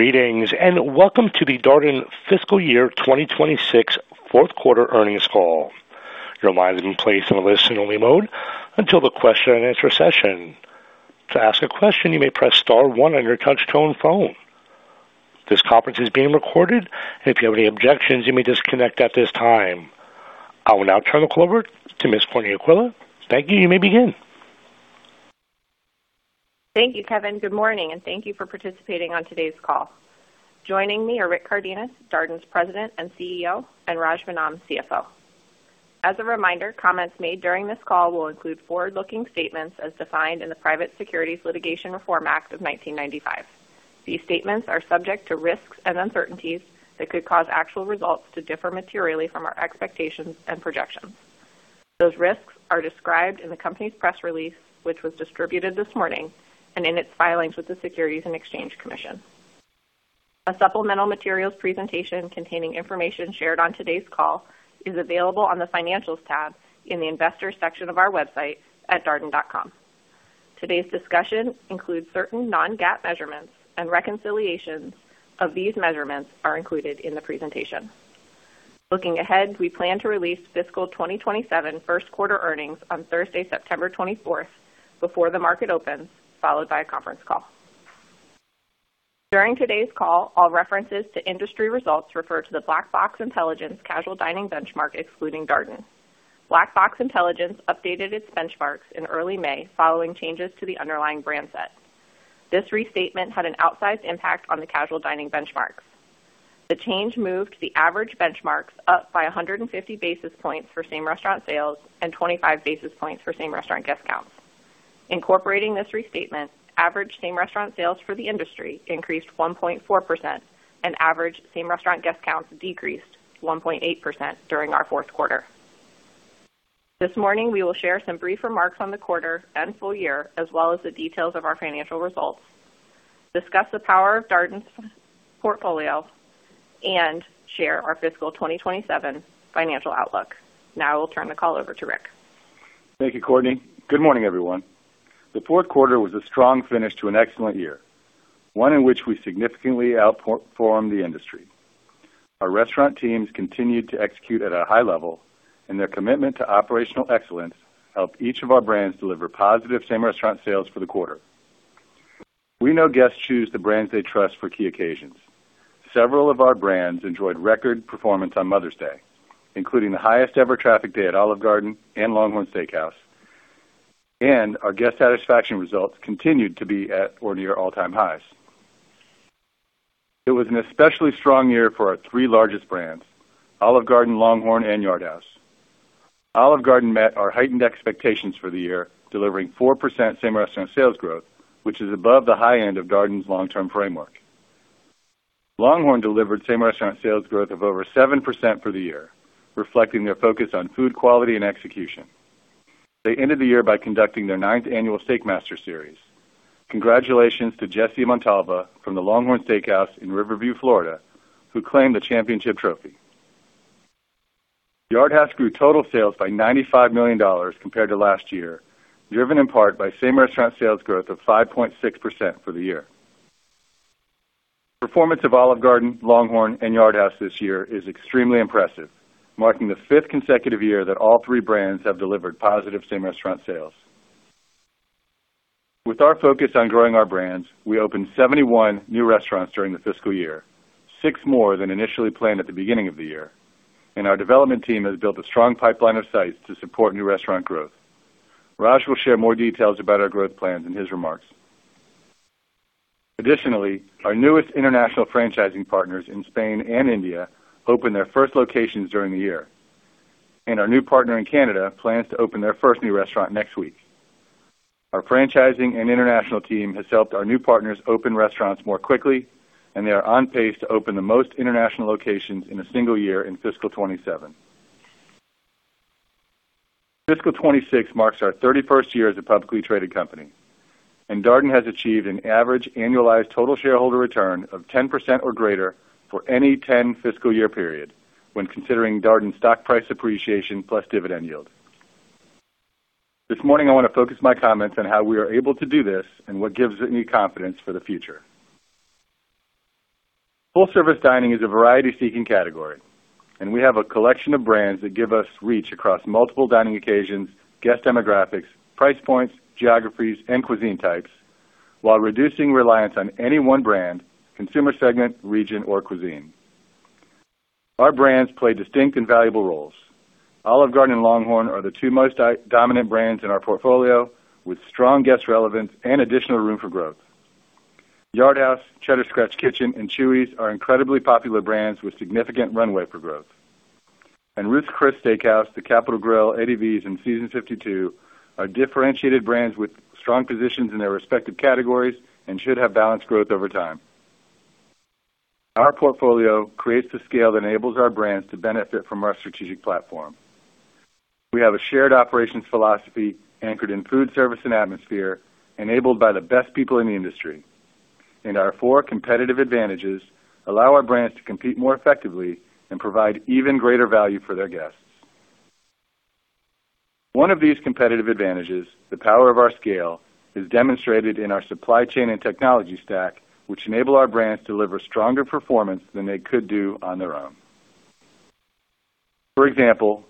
Greetings. Welcome to the Darden Fiscal Year 2026 fourth quarter earnings call. Your line has been placed in a listen-only mode until the question and answer session. To ask a question, you may press star one on your touch-tone phone. This conference is being recorded. If you have any objections, you may disconnect at this time. I will now turn the call over to Ms. Courtney Aquilla. You may begin. Thank you, Kevin. Good morning. Thank you for participating on today's call. Joining me are Rick Cardenas, Darden's President and CEO, and Raj Vennam, CFO. As a reminder, comments made during this call will include forward-looking statements as defined in the Private Securities Litigation Reform Act of 1995. These statements are subject to risks and uncertainties that could cause actual results to differ materially from our expectations and projections. Those risks are described in the company's press release, which was distributed this morning, and in its filings with the Securities and Exchange Commission. A supplemental materials presentation containing information shared on today's call is available on the Financials tab in the Investors section of our website at darden.com. Today's discussion includes certain non-GAAP measurements and reconciliations of these measurements are included in the presentation. Looking ahead, we plan to release Fiscal 2027 first quarter earnings on Thursday, September 24th before the market opens, followed by a conference call. During today's call, all references to industry results refer to the Black Box Intelligence Casual Dining Benchmark, excluding Darden. Black Box Intelligence updated its benchmarks in early May, following changes to the underlying brand set. This restatement had an outsized impact on the casual dining benchmarks. The change moved the average benchmarks up by 150 basis points for same restaurant sales and 25 basis points for same restaurant guest counts. Incorporating this restatement, average same restaurant sales for the industry increased 1.4%, and average same restaurant guest counts decreased 1.8% during our fourth quarter. This morning, we will share some brief remarks on the quarter and full year, as well as the details of our financial results, discuss the power of Darden's portfolio, and share our Fiscal 2027 financial outlook. I will now turn the call over to Rick. Thank you, Courtney. Good morning, everyone. The fourth quarter was a strong finish to an excellent year. One in which we significantly outperformed the industry. Our restaurant teams continued to execute at a high level, and their commitment to operational excellence helped each of our brands deliver positive same restaurant sales for the quarter. We know guests choose the brands they trust for key occasions. Several of our brands enjoyed record performance on Mother's Day, including the highest-ever traffic day at Olive Garden and LongHorn Steakhouse. And our guest satisfaction results continued to be at or near all-time highs. It was an especially strong year for our three largest brands, Olive Garden, LongHorn, and Yard House. Olive Garden met our heightened expectations for the year, delivering 4% same restaurant sales growth, which is above the high end of Darden's long-term framework. LongHorn delivered same restaurant sales growth of over 7% for the year, reflecting their focus on food quality and execution. They ended the year by conducting their 9th Annual Steak Master Series. Congratulations to Jesse Montalva from the LongHorn Steakhouse in Riverview, Florida, who claimed the championship trophy. Yard House grew total sales by $95 million compared to last year, driven in part by same restaurant sales growth of 5.6% for the year. Performance of Olive Garden, LongHorn, and Yard House this year is extremely impressive, marking the fifth consecutive year that all three brands have delivered positive same restaurant sales. With our focus on growing our brands, we opened 71 new restaurants during the fiscal year, six more than initially planned at the beginning of the year. Our development team has built a strong pipeline of sites to support new restaurant growth. Raj will share more details about our growth plans in his remarks. Additionally, our newest international franchising partners in Spain and India opened their first locations during the year. Our new partner in Canada plans to open their first new restaurant next week. Our franchising and international team has helped our new partners open restaurants more quickly. And they are on pace to open the most international locations in a single year in fiscal 2027. Fiscal 2026 marks our 31st year as a publicly traded company, and Darden has achieved an average annualized total shareholder return of 10% or greater for any 10 fiscal year period when considering Darden's stock price appreciation plus dividend yield. This morning, I want to focus my comments on how we are able to do this and what gives me confidence for the future. Full service dining is a variety-seeking category. We have a collection of brands that give us reach across multiple dining occasions, guest demographics, price points, geographies, and cuisine types while reducing reliance on any one brand, consumer segment, region, or cuisine. Our brands play distinct and valuable roles. Olive Garden and LongHorn are the two most dominant brands in our portfolio, with strong guest relevance and additional room for growth. Yard House, Cheddar's Scratch Kitchen, and Chuy's are incredibly popular brands with significant runway for growth. Ruth's Chris Steak House, The Capital Grille, Eddie V's, and Seasons 52 are differentiated brands with strong positions in their respective categories and should have balanced growth over time. Our portfolio creates the scale that enables our brands to benefit from our strategic platform. We have a shared operations philosophy anchored in food service and atmosphere, enabled by the best people in the industry. Our four competitive advantages allow our brands to compete more effectively and provide even greater value for their guests. One of these competitive advantages, the power of our scale, is demonstrated in our supply chain and technology stack, which enable our brands to deliver stronger performance than they could do on their own. For example,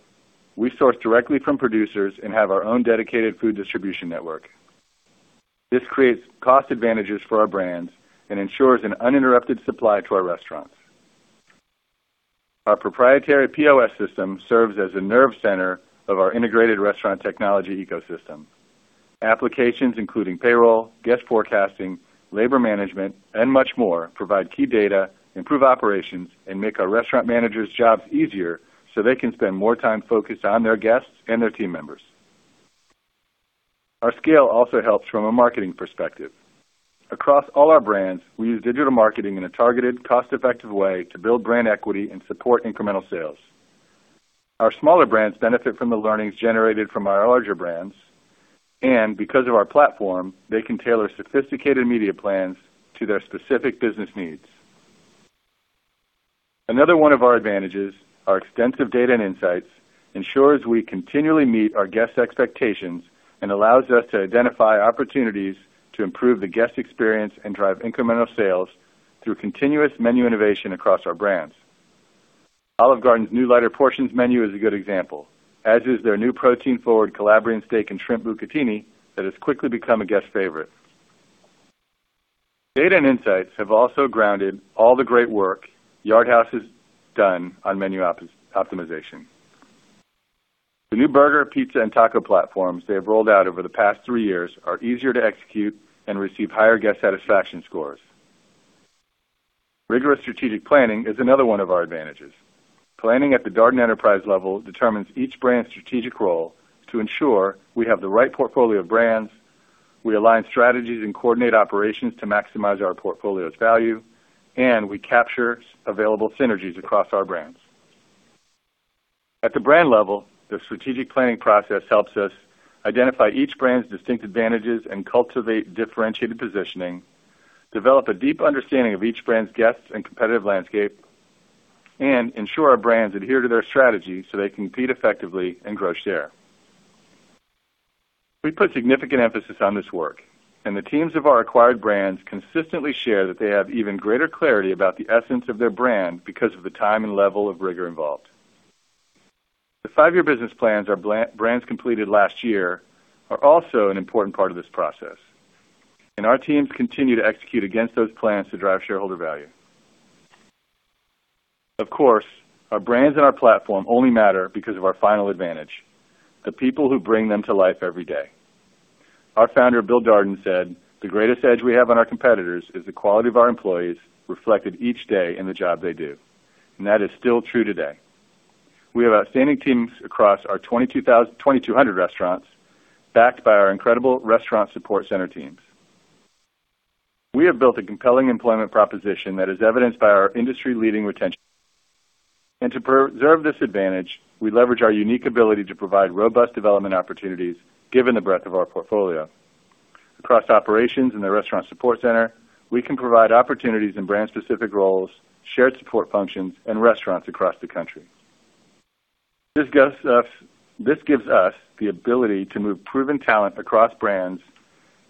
we source directly from producers and have our own dedicated food distribution network. This creates cost advantages for our brands and ensures an uninterrupted supply to our restaurants. Our proprietary POS system serves as a nerve center of our integrated restaurant technology ecosystem. Applications including payroll, guest forecasting, labor management, and much more provide key data, improve operations, and make our restaurant managers' jobs easier so they can spend more time focused on their guests and their team members. Our scale also helps from a marketing perspective. Across all our brands, we use digital marketing in a targeted, cost-effective way to build brand equity and support incremental sales. Our smaller brands benefit from the learnings generated from our larger brands, and because of our platform, they can tailor sophisticated media plans to their specific business needs. Another one of our advantages, our extensive data and insights, ensures we continually meet our guests' expectations and allows us to identify opportunities to improve the guest experience and drive incremental sales through continuous menu innovation across our brands. Olive Garden's new lighter portions menu is a good example, as is their new protein-forward Calabrian Steak & Shrimp Bucatini that has quickly become a guest favorite. Data and insights have also grounded all the great work Yard House has done on menu optimization. The new burger, pizza, and taco platforms they have rolled out over the past three years are easier to execute and receive higher guest satisfaction scores. Rigorous strategic planning is another one of our advantages. Planning at the Darden Enterprise level determines each brand's strategic role to ensure we have the right portfolio of brands. We align strategies and coordinate operations to maximize our portfolio's value, and we capture available synergies across our brands. At the brand level, the strategic planning process helps us identify each brand's distinct advantages and cultivate differentiated positioning, develop a deep understanding of each brand's guests and competitive landscape. And ensure our brands adhere to their strategy so they compete effectively and grow share. We put significant emphasis on this work, and the teams of our acquired brands consistently share that they have even greater clarity about the essence of their brand because of the time and level of rigor involved. The five-year business plans our brands completed last year are also an important part of this process. Our teams continue to execute against those plans to drive shareholder value. Of course, our brands and our platform only matter because of our final advantage, the people who bring them to life every day. Our Founder, Bill Darden, said, the greatest edge we have on our competitors is the quality of our employees reflected each day in the job they do. That is still true today. We have outstanding teams across our 2,200 restaurants backed by our incredible restaurant support center teams. We have built a compelling employment proposition that is evidenced by our industry-leading retention. To preserve this advantage, we leverage our unique ability to provide robust development opportunities given the breadth of our portfolio. Across operations and the restaurant support center. We can provide opportunities in brand-specific roles, shared support functions, and restaurants across the country. This gives us the ability to move proven talent across brands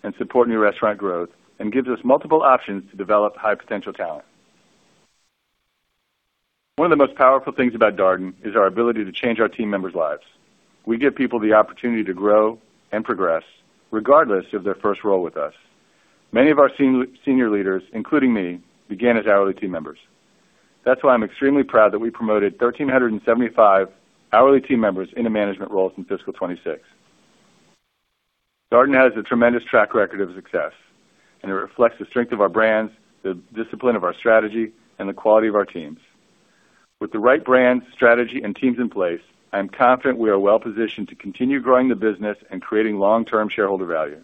and support new restaurant growth and gives us multiple options to develop high-potential talent. One of the most powerful things about Darden is our ability to change our team members' lives. We give people the opportunity to grow and progress regardless of their first role with us. Many of our senior leaders, including me, began as hourly team members. That's why I'm extremely proud that we promoted 1,375 hourly team members into management roles in fiscal 2026. Darden has a tremendous track record of success, and it reflects the strength of our brands, the discipline of our strategy, and the quality of our teams. With the right brands, strategy, and teams in place, I am confident we are well-positioned to continue growing the business and creating long-term shareholder value.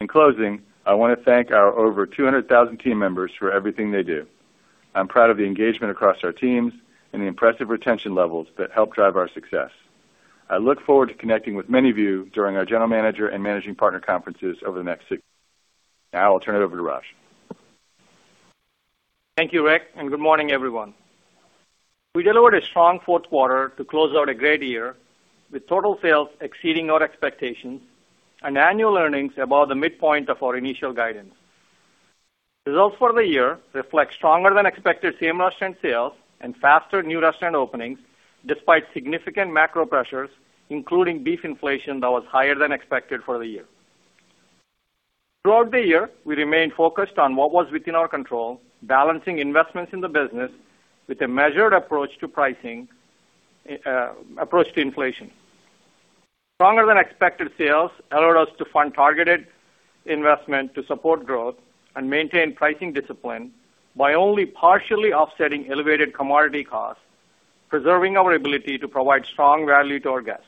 In closing, I want to thank our over 200,000 team members for everything they do. I'm proud of the engagement across our teams and the impressive retention levels that help drive our success. I look forward to connecting with many of you during our General Manager and Managing Partner Conferences over the next six months. Now I'll turn it over to Raj. Thank you, Rick, and good morning, everyone. We delivered a strong fourth quarter to close out a great year, with total sales exceeding our expectations and annual earnings above the midpoint of our initial guidance. Results for the year reflect stronger-than-expected same restaurant sales and faster new restaurant openings, despite significant macro pressures, including beef inflation that was higher than expected for the year. Throughout the year, we remained focused on what was within our control, balancing investments in the business with a measured approach to inflation. Stronger-than-expected sales allowed us to fund targeted investment to support growth and maintain pricing discipline by only partially offsetting elevated commodity costs, preserving our ability to provide strong value to our guests.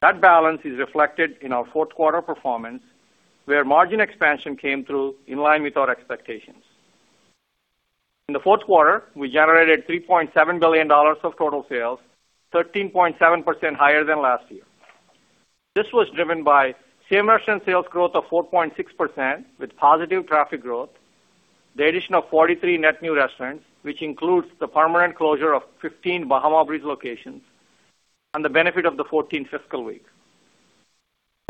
That balance is reflected in our fourth quarter performance, where margin expansion came through in line with our expectations. In the fourth quarter, we generated $3.7 billion of total sales, 13.7% higher than last year. This was driven by same-restaurant sales growth of 4.6% with positive traffic growth. The addition of 43 net new restaurants, which includes the permanent closure of 15 Bahama Breeze locations, and the benefit of the 14th fiscal week.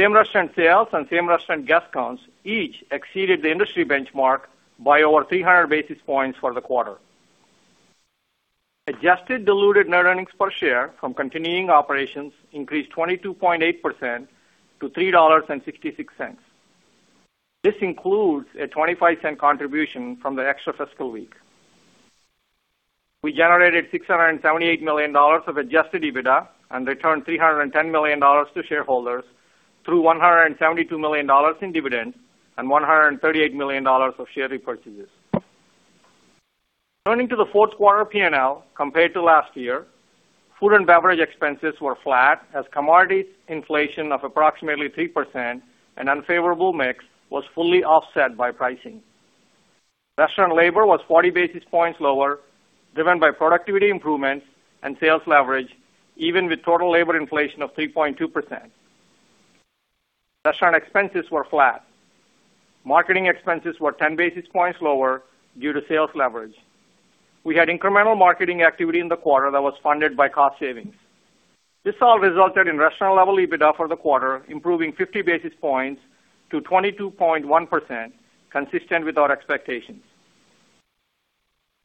Same-restaurant sales and same-restaurant guest counts each exceeded the industry benchmark by over 300 basis points for the quarter. Adjusted diluted net earnings per share from continuing operations increased 22.8% to $3.66. This includes a $0.25 contribution from the extra fiscal week. We generated $678 million of adjusted EBITDA and returned $310 million to shareholders through $172 million in dividends and $138 million of share repurchases. Turning to the fourth quarter P&L compared to last year, food and beverage expenses were flat as commodity inflation of approximately 3% and unfavorable mix was fully offset by pricing. Restaurant labor was 40 basis points lower, driven by productivity improvements and sales leverage, even with total labor inflation of 3.2%. Restaurant expenses were flat. Marketing expenses were 10 basis points lower due to sales leverage. We had incremental marketing activity in the quarter that was funded by cost savings. This all resulted in restaurant level EBITDA for the quarter improving 50 basis points to 22.1%, consistent with our expectations.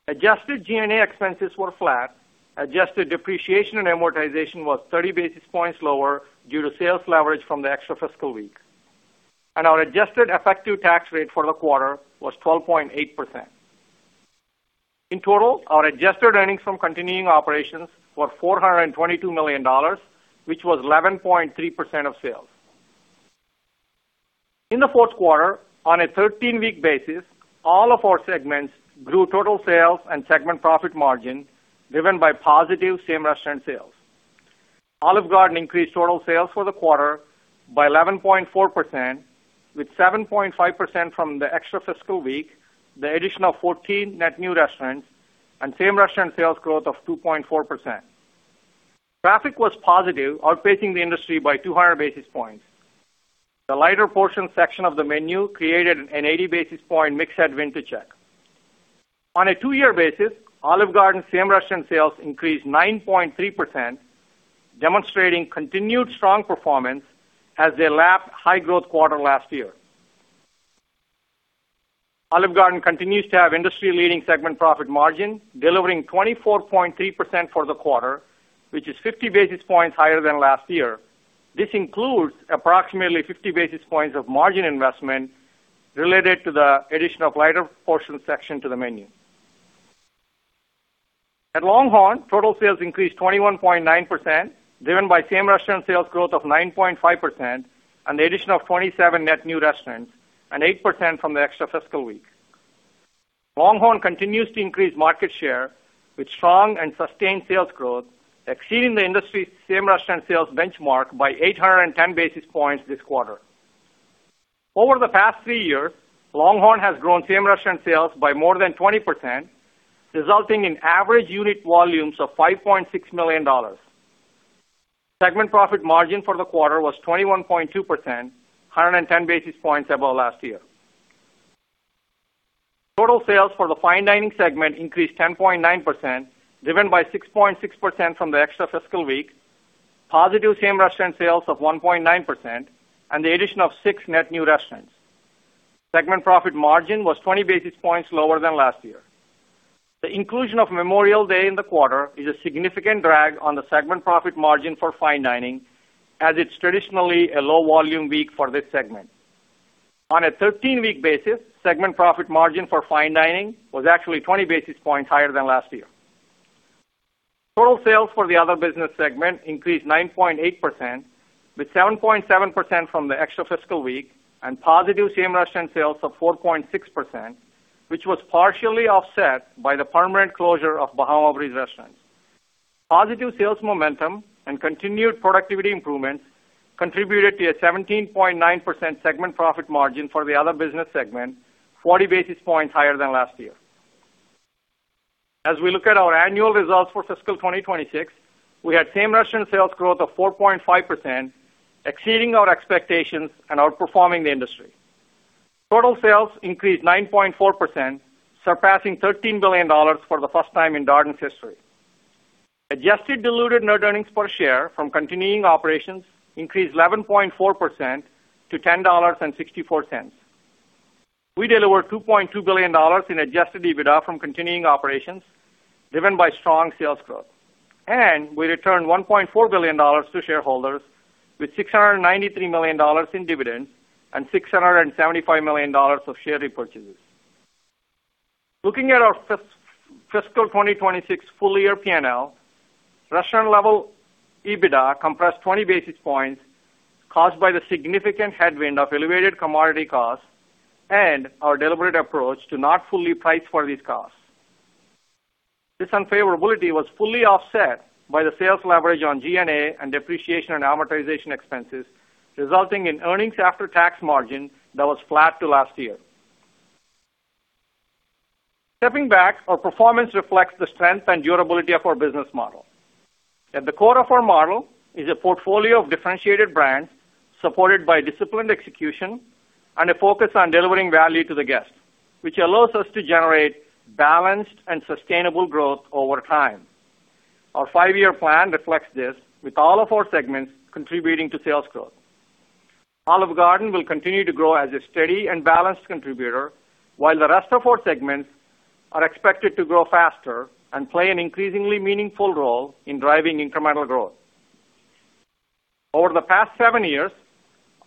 Adjusted G&A expenses were flat. Adjusted depreciation and amortization was 30 basis points lower due to sales leverage from the extra fiscal week. Our adjusted effective tax rate for the quarter was 12.8%. In total, our adjusted earnings from continuing operations were $422 million, which was 11.3% of sales. In the fourth quarter, on a 13-week basis, all of our segments grew total sales and segment profit margin driven by positive same-restaurant sales. Olive Garden increased total sales for the quarter by 11.4%, with 7.5% from the extra fiscal week, the addition of 14 net new restaurants, and same-restaurant sales growth of 2.4%. Traffic was positive, outpacing the industry by 200 basis points. The lighter portion section of the menu created an 80 basis point mix headwind to check. On a two-year basis, Olive Garden same-restaurant sales increased 9.3%, demonstrating continued strong performance as they lapped high growth quarter last year. Olive Garden continues to have industry-leading segment profit margin, delivering 24.3% for the quarter, which is 50 basis points higher than last year. This includes approximately 50 basis points of margin investment related to the addition of lighter portion section to the menu. At LongHorn, total sales increased 21.9%, driven by same-restaurant sales growth of 9.5% and the addition of 27 net new restaurants and 8% from the extra fiscal week. LongHorn continues to increase market share with strong and sustained sales growth, exceeding the industry same-restaurant sales benchmark by 810 basis points this quarter. Over the past three years, LongHorn has grown same-restaurant sales by more than 20%, resulting in average unit volumes of $5.6 million. Segment profit margin for the quarter was 21.2%, 110 basis points above last year. Total sales for the Fine Dining segment increased 10.9%, driven by 6.6% from the extra fiscal week, positive same-restaurant sales of 1.9%, and the addition of six net new restaurants. Segment profit margin was 20 basis points lower than last year. The inclusion of Memorial Day in the quarter is a significant drag on the segment profit margin for Fine Dining, as it's traditionally a low volume week for this segment. On a 13-week basis, segment profit margin for fine dining was actually 20 basis points higher than last year. Total sales for the other business segment increased 9.8%, with 7.7% from the extra fiscal week and positive same-restaurant sales of 4.6%, which was partially offset by the permanent closure of Bahama Breeze Restaurants. Positive sales momentum and continued productivity improvements contributed to a 17.9% segment profit margin for the other business segment, 40 basis points higher than last year. As we look at our annual results for fiscal 2026, we had same-restaurant sales growth of 4.5%, exceeding our expectations and outperforming the industry. Total sales increased 9.4%, surpassing $13 billion for the first time in Darden's history. Adjusted diluted net earnings per share from continuing operations increased 11.4% to $10.64. We delivered $2.2 billion in adjusted EBITDA from continuing operations, driven by strong sales growth. We returned $1.4 billion to shareholders with $693 million in dividends and $675 million of share repurchases. Looking at our fiscal 2026 full-year P&L, restaurant level EBITDA compressed 20 basis points caused by the significant headwind of elevated commodity costs and our deliberate approach to not fully price for these costs. This unfavorability was fully offset by the sales leverage on G&A and depreciation and amortization expenses, resulting in earnings after tax margin that was flat to last year. Stepping back, our performance reflects the strength and durability of our business model. At the core of our model is a portfolio of differentiated brands supported by disciplined execution and a focus on delivering value to the guest, which allows us to generate balanced and sustainable growth over time. Our five-year plan reflects this, with all of our segments contributing to sales growth. Olive Garden will continue to grow as a steady and balanced contributor, while the rest of our segments are expected to grow faster and play an increasingly meaningful role in driving incremental growth. Over the past seven years,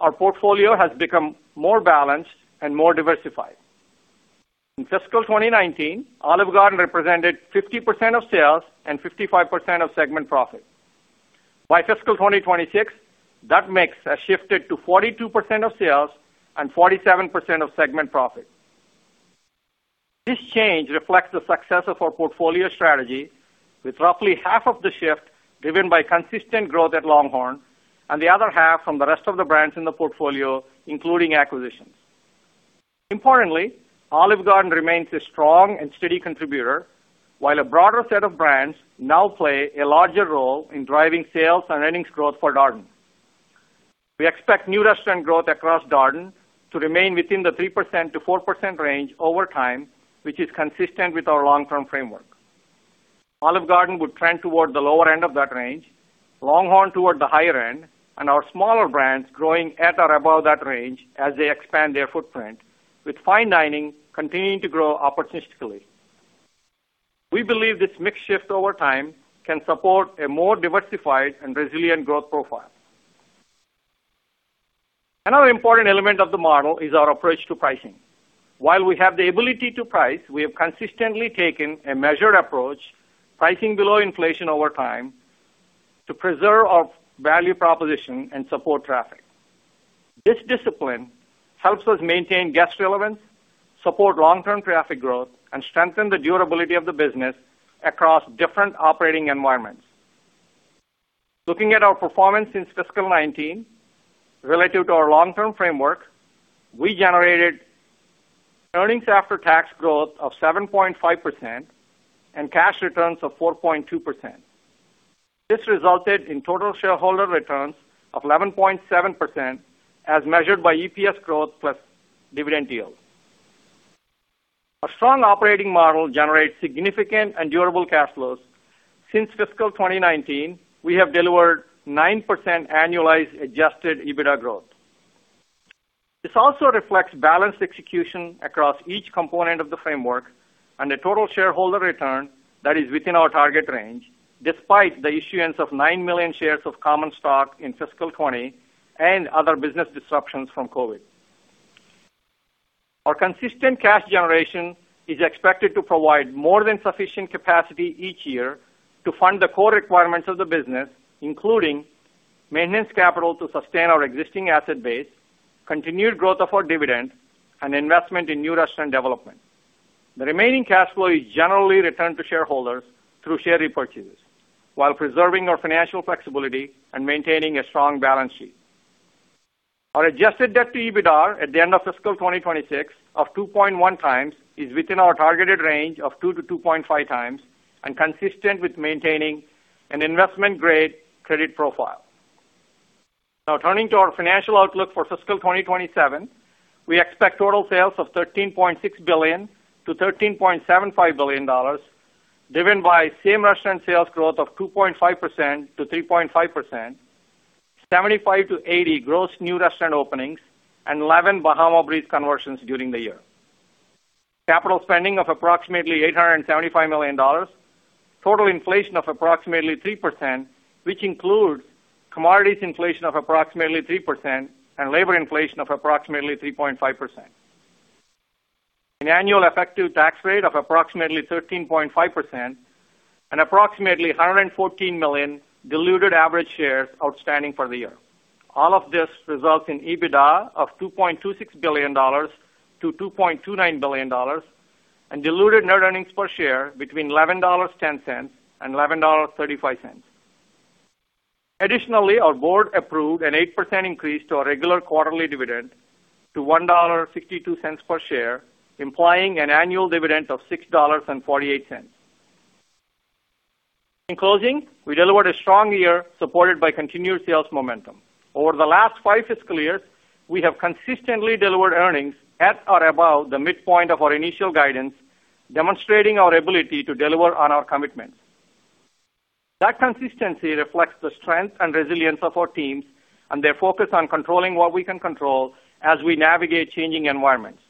our portfolio has become more balanced and more diversified. In fiscal 2019, Olive Garden represented 50% of sales and 55% of segment profit. By fiscal 2026, that mix has shifted to 42% of sales and 47% of segment profit. This change reflects the success of our portfolio strategy, with roughly half of the shift driven by consistent growth at LongHorn and the other half from the rest of the brands in the portfolio, including acquisitions. Importantly, Olive Garden remains a strong and steady contributor, while a broader set of brands now play a larger role in driving sales and earnings growth for Darden. We expect new restaurant growth across Darden to remain within the 3%-4% range over time, which is consistent with our long-term framework. Olive Garden would trend toward the lower end of that range, LongHorn toward the higher end, and our smaller brands growing at or above that range as they expand their footprint, with fine dining continuing to grow opportunistically. We believe this mix shift over time can support a more diversified and resilient growth profile. Another important element of the model is our approach to pricing. While we have the ability to price, we have consistently taken a measured approach, pricing below inflation over time, to preserve our value proposition and support traffic. This discipline helps us maintain guest relevance, support long-term traffic growth, and strengthen the durability of the business across different operating environments. Looking at our performance since fiscal 2019, relative to our long-term framework, we generated earnings after tax growth of 7.5% and cash returns of 4.2%. This resulted in total shareholder returns of 11.7%, as measured by EPS growth plus dividend yield. A strong operating model generates significant and durable cash flows. Since fiscal 2019, we have delivered 9% annualized adjusted EBITDA growth. This also reflects balanced execution across each component of the framework and a total shareholder return that is within our target range, despite the issuance of nine million shares of common stock in fiscal 2020 and other business disruptions from COVID. Our consistent cash generation is expected to provide more than sufficient capacity each year to fund the core requirements of the business, including maintenance capital to sustain our existing asset base, continued growth of our dividend, and investment in new restaurant development. The remaining cash flow is generally returned to shareholders through share repurchases while preserving our financial flexibility and maintaining a strong balance sheet. Our adjusted debt to EBITDAR at the end of fiscal 2026 of 2.1x is within our targeted range of 2x-2.5x and consistent with maintaining an investment-grade credit profile. Turning to our financial outlook for fiscal 2027, we expect total sales of $13.6 billion-$13.75 billion, driven by same-restaurant sales growth of 2.5%-3.5%, 75-80 gross new restaurant openings, and 11 Bahama Breeze conversions during the year. Capital spending of approximately $875 million, total inflation of approximately 3%, which includes commodities inflation of approximately 3% and labor inflation of approximately 3.5%. An annual effective tax rate of approximately 13.5% and approximately 114 million diluted average shares outstanding for the year. All of this results in EBITDA of $2.26 billion-$2.29 billion and diluted net earnings per share between $11.10 and $11.35. Additionally, our Board approved an 8% increase to our regular quarterly dividend to $1.52 per share, implying an annual dividend of $6.48. In closing, we delivered a strong year supported by continued sales momentum. Over the last five fiscal years, we have consistently delivered earnings at or above the midpoint of our initial guidance, demonstrating our ability to deliver on our commitments. That consistency reflects the strength and resilience of our teams and their focus on controlling what we can control as we navigate changing environments.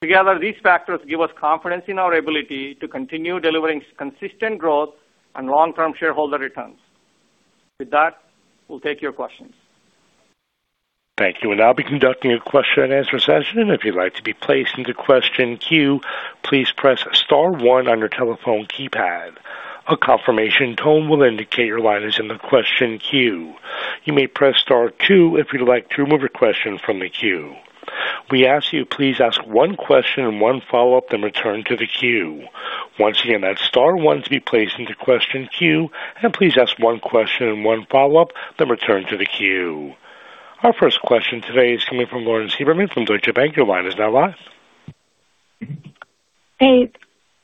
Together, these factors give us confidence in our ability to continue delivering consistent growth and long-term shareholder returns. With that, we'll take your questions. Thank you. We'll now be conducting a question and answer session. If you'd like to be placed into question queue, please press star one on your telephone keypad. A confirmation tone will indicate your line is in the question queue. You may press star two if you'd like to remove a question from the queue. We ask you please ask one question and one follow-up, then return to the queue. Once again, that's star one to be placed into question queue. Please ask one question and one follow-up, then return to the queue. Our first question today is coming from Lauren Silberman from Deutsche Bank. Your line is now live. Hey.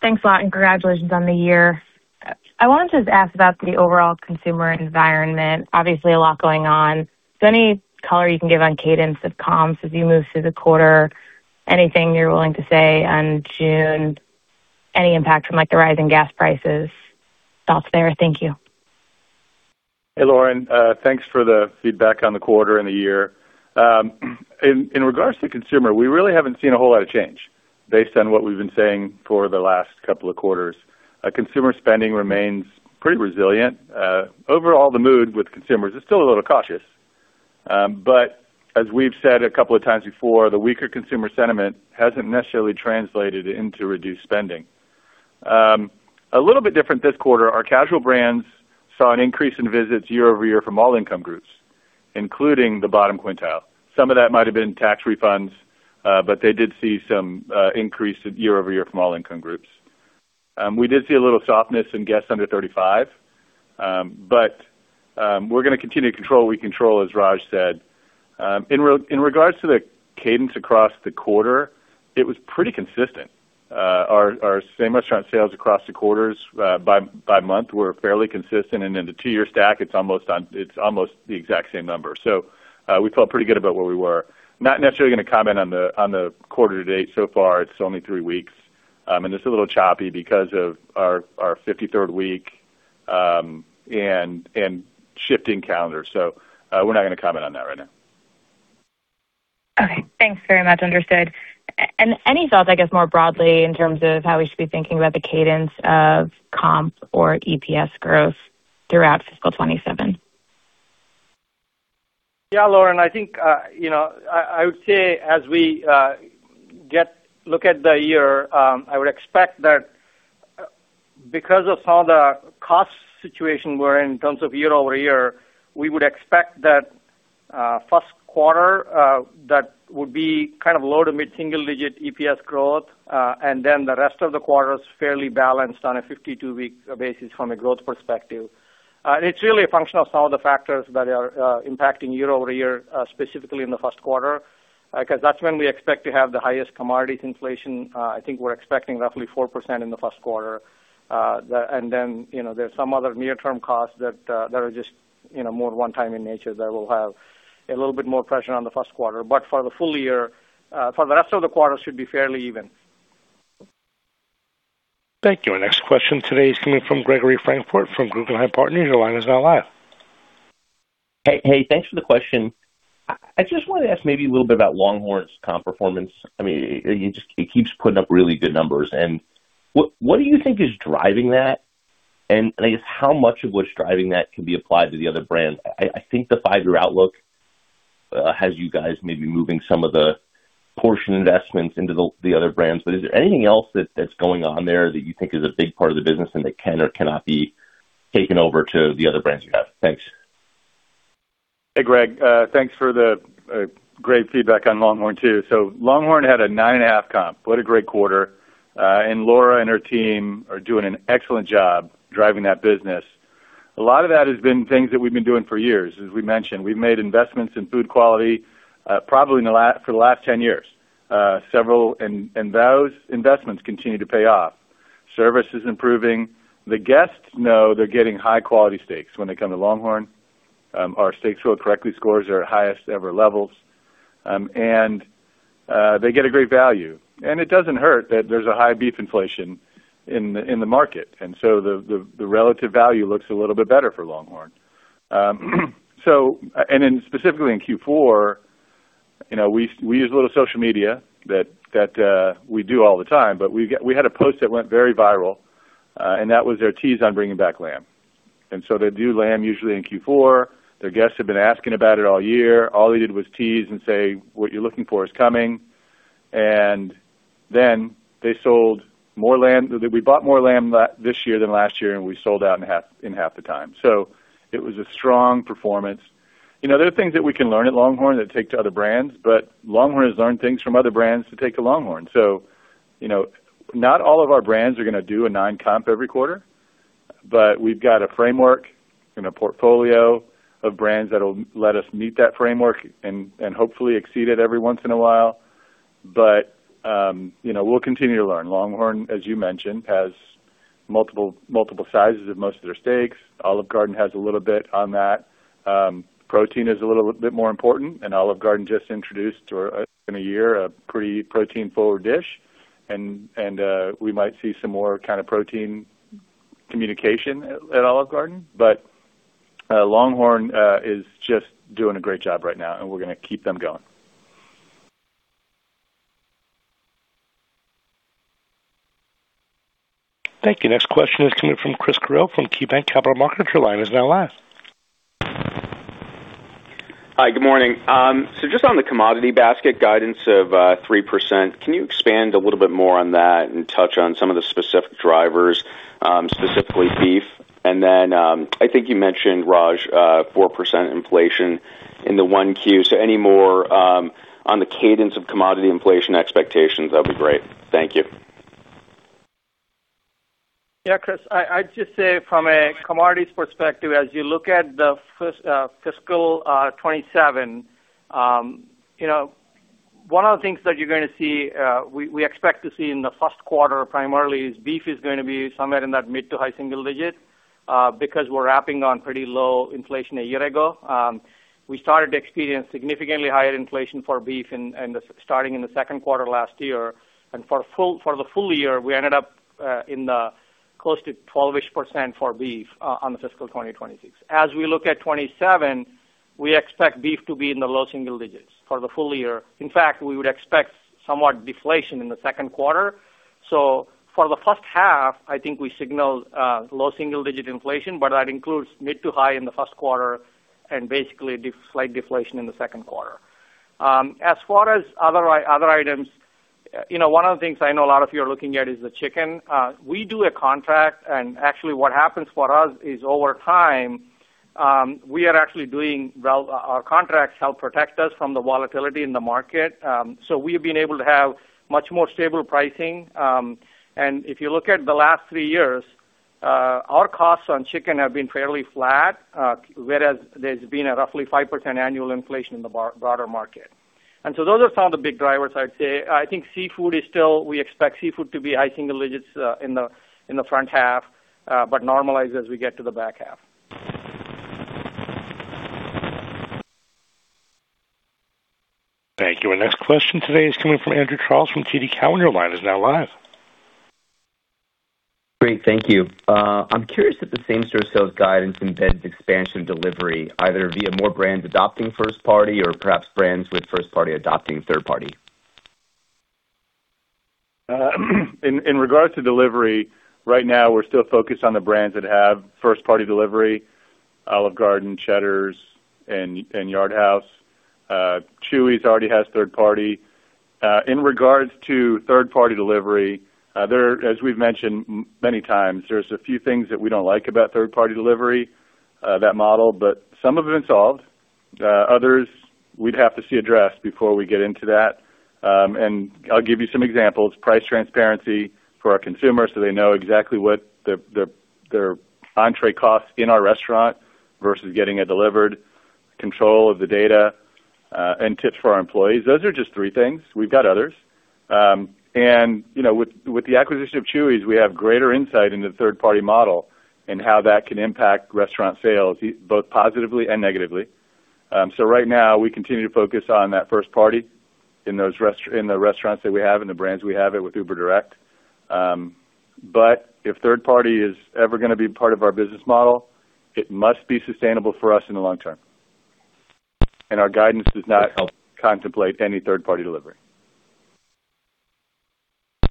Thanks a lot, and congratulations on the year. I wanted to just ask about the overall consumer environment. Obviously, a lot going on. Any color you can give on cadence of comps as you move through the quarter? Anything you're willing to say on June, any impact from the rise in gas prices, thoughts there? Thank you. Hey, Lauren. Thanks for the feedback on the quarter and the year. In regards to consumer, we really haven't seen a whole lot of change based on what we've been saying for the last couple of quarters. Consumer spending remains pretty resilient. Overall, the mood with consumers is still a little cautious. As we've said a couple of times before, the weaker consumer sentiment hasn't necessarily translated into reduced spending. A little bit different this quarter, our casual brands saw an increase in visits year-over-year from all income groups, including the bottom quintile. Some of that might have been tax refunds, but they did see some increase year-over-year from all income groups. We did see a little softness in guests under 35. We're going to continue to control what we control, as Raj said. In regards to the cadence across the quarter, it was pretty consistent. Our same-restaurant sales across the quarters by month were fairly consistent. The two-year stack, it's almost the exact same number. We felt pretty good about where we were. Not necessarily going to comment on the quarter to date so far. It's only three weeks, and it's a little choppy because of our 53rd week and shifting calendar. We're not going to comment on that right now. Okay, thanks very much. Understood. Any thoughts, I guess, more broadly in terms of how we should be thinking about the cadence of comps or EPS growth throughout fiscal 2027? Yeah, Lauren, I think, I would say as we look at the year, I would expect that because of some of the cost situation we're in terms of year-over-year, we would expect that first quarter, that would be kind of low- to mid-single digit EPS growth. The rest of the quarter is fairly balanced on a 52-week basis from a growth perspective. It's really a function of some of the factors that are impacting year-over-year, specifically in the first quarter, because that's when we expect to have the highest commodities inflation. I think we're expecting roughly 4% in the first quarter. There's some other near-term costs that are just more one time in nature that will have a little bit more pressure on the first quarter. But for the full year, for the rest of the quarter, should be fairly even. Thank you. Our next question today is coming from Gregory Francfort from Guggenheim Partners. Your line is now live. Hey. Thanks for the question. I just wanted to ask maybe a little bit about LongHorn's comp performance. It keeps putting up really good numbers. What do you think is driving that? I guess how much of what's driving that can be applied to the other brands? I think the five-year outlook has you guys maybe moving some of the portion investments into the other brands. Is there anything else that's going on there that you think is a big part of the business and that can or cannot be taken over to the other brands you have? Thanks. Hey, Greg. Thanks for the great feedback on LongHorn, too. LongHorn had a 9.5 comp. What a great quarter. Laura and her team are doing an excellent job driving that business. A lot of that has been things that we've been doing for years. As we mentioned, we've made investments in food quality, probably for the last 10 years. Those investments continue to pay off. Service is improving. The guests know they're getting high quality steaks when they come to LongHorn. Our steaks cooked correctly scores are at highest ever levels. They get a great value. It doesn't hurt that there's a high beef inflation in the market. So the relative value looks a little bit better for LongHorn. Specifically in Q4, we use a little social media that we do all the time, but we had a post that went very viral, and that was their tease on bringing back lamb. They do lamb usually in Q4. Their guests have been asking about it all year. All they did was tease and say, what you're looking for is coming. They sold more lamb. We bought more lamb this year than last year, and we sold out in half the time. It was a strong performance. There are things that we can learn at LongHorn that take to other brands, but LongHorn has learned things from other brands to take to LongHorn. Not all of our brands are going to do a nine comp every quarter, but we've got a framework and a portfolio of brands that'll let us meet that framework and hopefully exceed it every once in a while. We'll continue to learn. LongHorn, as you mentioned, has multiple sizes of most of their steaks. Olive Garden has a little bit on that. Protein is a little bit more important, and Olive Garden just introduced in a year a pretty protein-forward dish. We might see some more kind of protein communication at Olive Garden. LongHorn is just doing a great job right now, and we're going to keep them going. Thank you. Next question is coming from Chris Carril from KeyBanc Capital Markets. Your line is now live. Hi, good morning. Just on the commodity basket guidance of 3%, can you expand a little bit more on that and touch on some of the specific drivers, specifically beef? I think you mentioned, Raj, 4% inflation in the 1Q. Any more on the cadence of commodity inflation expectations, that'd be great? Thank you. Chris, I'd just say from a commodities perspective, as you look at the fiscal 2027, one of the things that we expect to see in the first quarter primarily is beef is going to be somewhere in that mid- to high-single digit, because we're wrapping on pretty low inflation a year ago. We started to experience significantly higher inflation for beef starting in the second quarter last year. For the full year, we ended up in the close to 12-ish% for beef on the fiscal 2026. As we look at 2027, we expect beef to be in the low-single digits for the full year. In fact, we would expect somewhat deflation in the second quarter. For the first half, I think we signaled low-single digit inflation, but that includes mid to high in the first quarter and basically slight deflation in the second quarter. As far as other items, one of the things I know a lot of you are looking at is the chicken. We do a contract and actually what happens for us is, over time, our contracts help protect us from the volatility in the market. We've been able to have much more stable pricing. If you look at the last three years, our costs on chicken have been fairly flat, whereas there's been a roughly 5% annual inflation in the broader market. Those are some of the big drivers, I'd say. We expect seafood to be high-single digits in the front half, but normalize as we get to the back half. Thank you. Our next question today is coming from Andrew Charles from TD Cowen. Your line is now live. Great. Thank you. I'm curious if the same-store sales guidance embeds expansion delivery, either via more brands adopting first party or perhaps brands with first party adopting third party? In regards to delivery, right now we're still focused on the brands that have first-party delivery, Olive Garden, Cheddar's, and Yard House. Chuy's already has third party. In regards to third-party delivery, as we've mentioned many times, there's a few things that we don't like about third-party delivery, that model, but some have been solved. Others, we'd have to see addressed before we get into that. I'll give you some examples, price transparency for our consumers, so they know exactly what their entrée costs in our restaurant versus getting it delivered, control of the data, and tips for our employees. Those are just three things. We've got others. With the acquisition of Chuy's, we have greater insight into the third-party model and how that can impact restaurant sales, both positively and negatively. Right now, we continue to focus on that first party in the restaurants that we have and the brands we have it with Uber Direct. If third party is ever going to be part of our business model, it must be sustainable for us in the long term. Our guidance does not help contemplate any third-party delivery.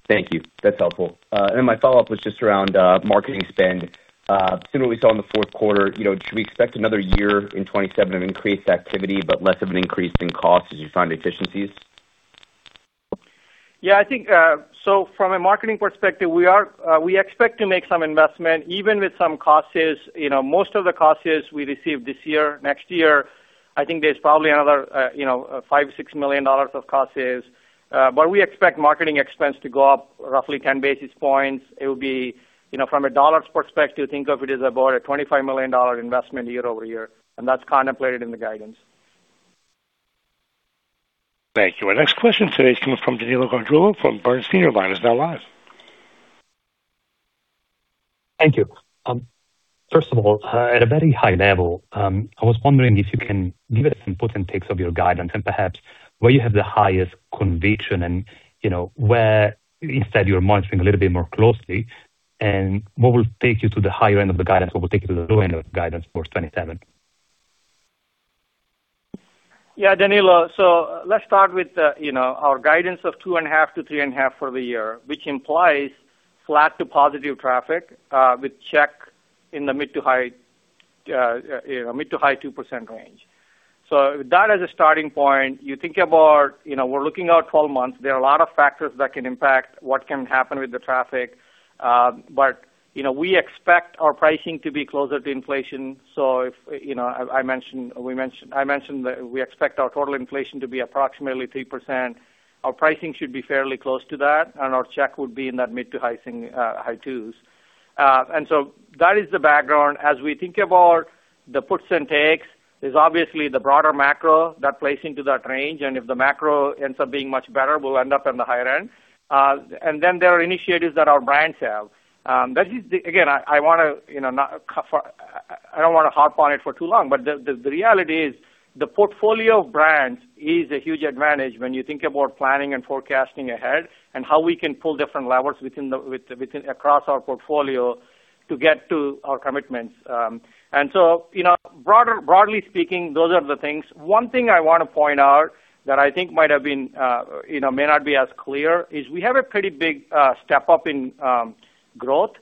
Thank you. That's helpful. My follow-up was just around marketing spend. Similar to what we saw in the fourth quarter, should we expect another year in 2027 of increased activity, but less of an increase in cost as you find efficiencies? I think from a marketing perspective, we expect to make some investment, even with some cost saves. Most of the cost saves we receive this year, next year, I think there's probably another $5 million or $6 million of cost saves. We expect marketing expense to go up roughly 10 basis points. It will be, from a dollars perspective, think of it as about a $25 million investment year-over-year, and that's contemplated in the guidance. Thank you. Our next question today is coming from Danilo Gargiulo from Bernstein. Your line is now live. Thank you. First of all, at a very high level, I was wondering if you can give us important takes of your guidance and perhaps where you have the highest conviction and where instead you are monitoring a little bit more closely, and what will take you to the higher end of the guidance, what will take you to the low end of the guidance for 2027? Yeah, Danilo. Let's start with our guidance of 2.5%-3.5% for the year, which implies flat to positive traffic, with check in the mid to high 2% range. That as a starting point, you think about, we're looking out 12 months. There are a lot of factors that can impact what can happen with the traffic. We expect our pricing to be closer to inflation. I mentioned that we expect our total inflation to be approximately 3%. Our pricing should be fairly close to that, and our check would be in that mid to high 2s. That is the background. As we think about the puts and takes, there's obviously the broader macro that plays into that range, and if the macro ends up being much better, we'll end up in the higher end. There are initiatives that our brands have. Again, I don't want to harp on it for too long, but the reality is the portfolio of brands is a huge advantage when you think about planning and forecasting ahead. And how we can pull different levers across our portfolio to get to our commitments. Broadly speaking, those are the things. One thing I want to point out that I think may not be as clear is we have a pretty big step up in growth.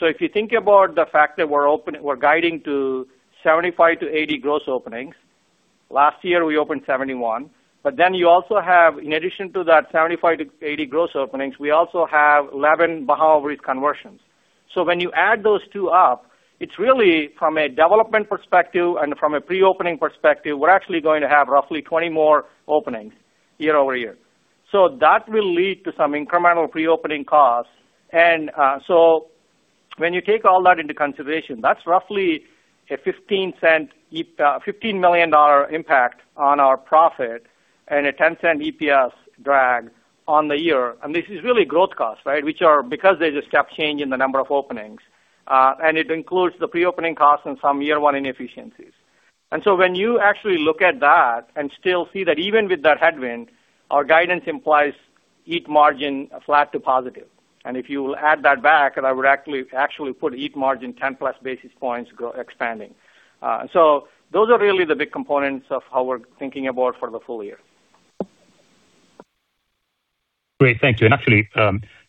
If you think about the fact that we're guiding to 75-80 gross openings. Last year, we opened 71. You also have, in addition to that 75-80 gross openings, we also have 11 Bahama Breeze conversions. When you add those two up, it's really from a development perspective and from a pre-opening perspective, we're actually going to have roughly 20 more openings year-over-year. That will lead to some incremental pre-opening costs. When you take all that into consideration, that's roughly a $15 million impact on our profit and a $0.10 EPS drag on the year. This is really growth costs, right? Which are because they just kept changing the number of openings. It includes the pre-opening costs and some year-one inefficiencies. When you actually look at that and still see that even with that headwind, our guidance implies EBITDA margin flat to positive. If you add that back, I would actually put EBITDA margin 10+ basis points expanding. Those are really the big components of how we're thinking about for the full year. Great, thank you. Actually,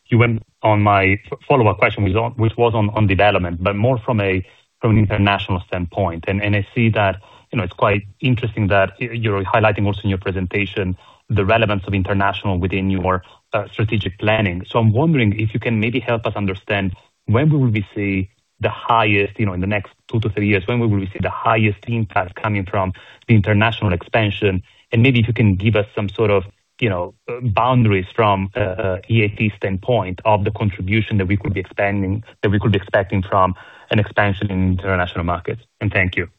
you went on my follow-up question, which was on development, but more from an international standpoint. I see that it's quite interesting that you're highlighting also in your presentation the relevance of international within your strategic planning. I'm wondering if you can maybe help us understand when will we see the highest, in the next two to three years, when will we see the highest impact coming from the international expansion? Maybe if you can give us some sort of boundaries from EAT standpoint of the contribution that we could be expecting from an expansion in international markets. Thank you.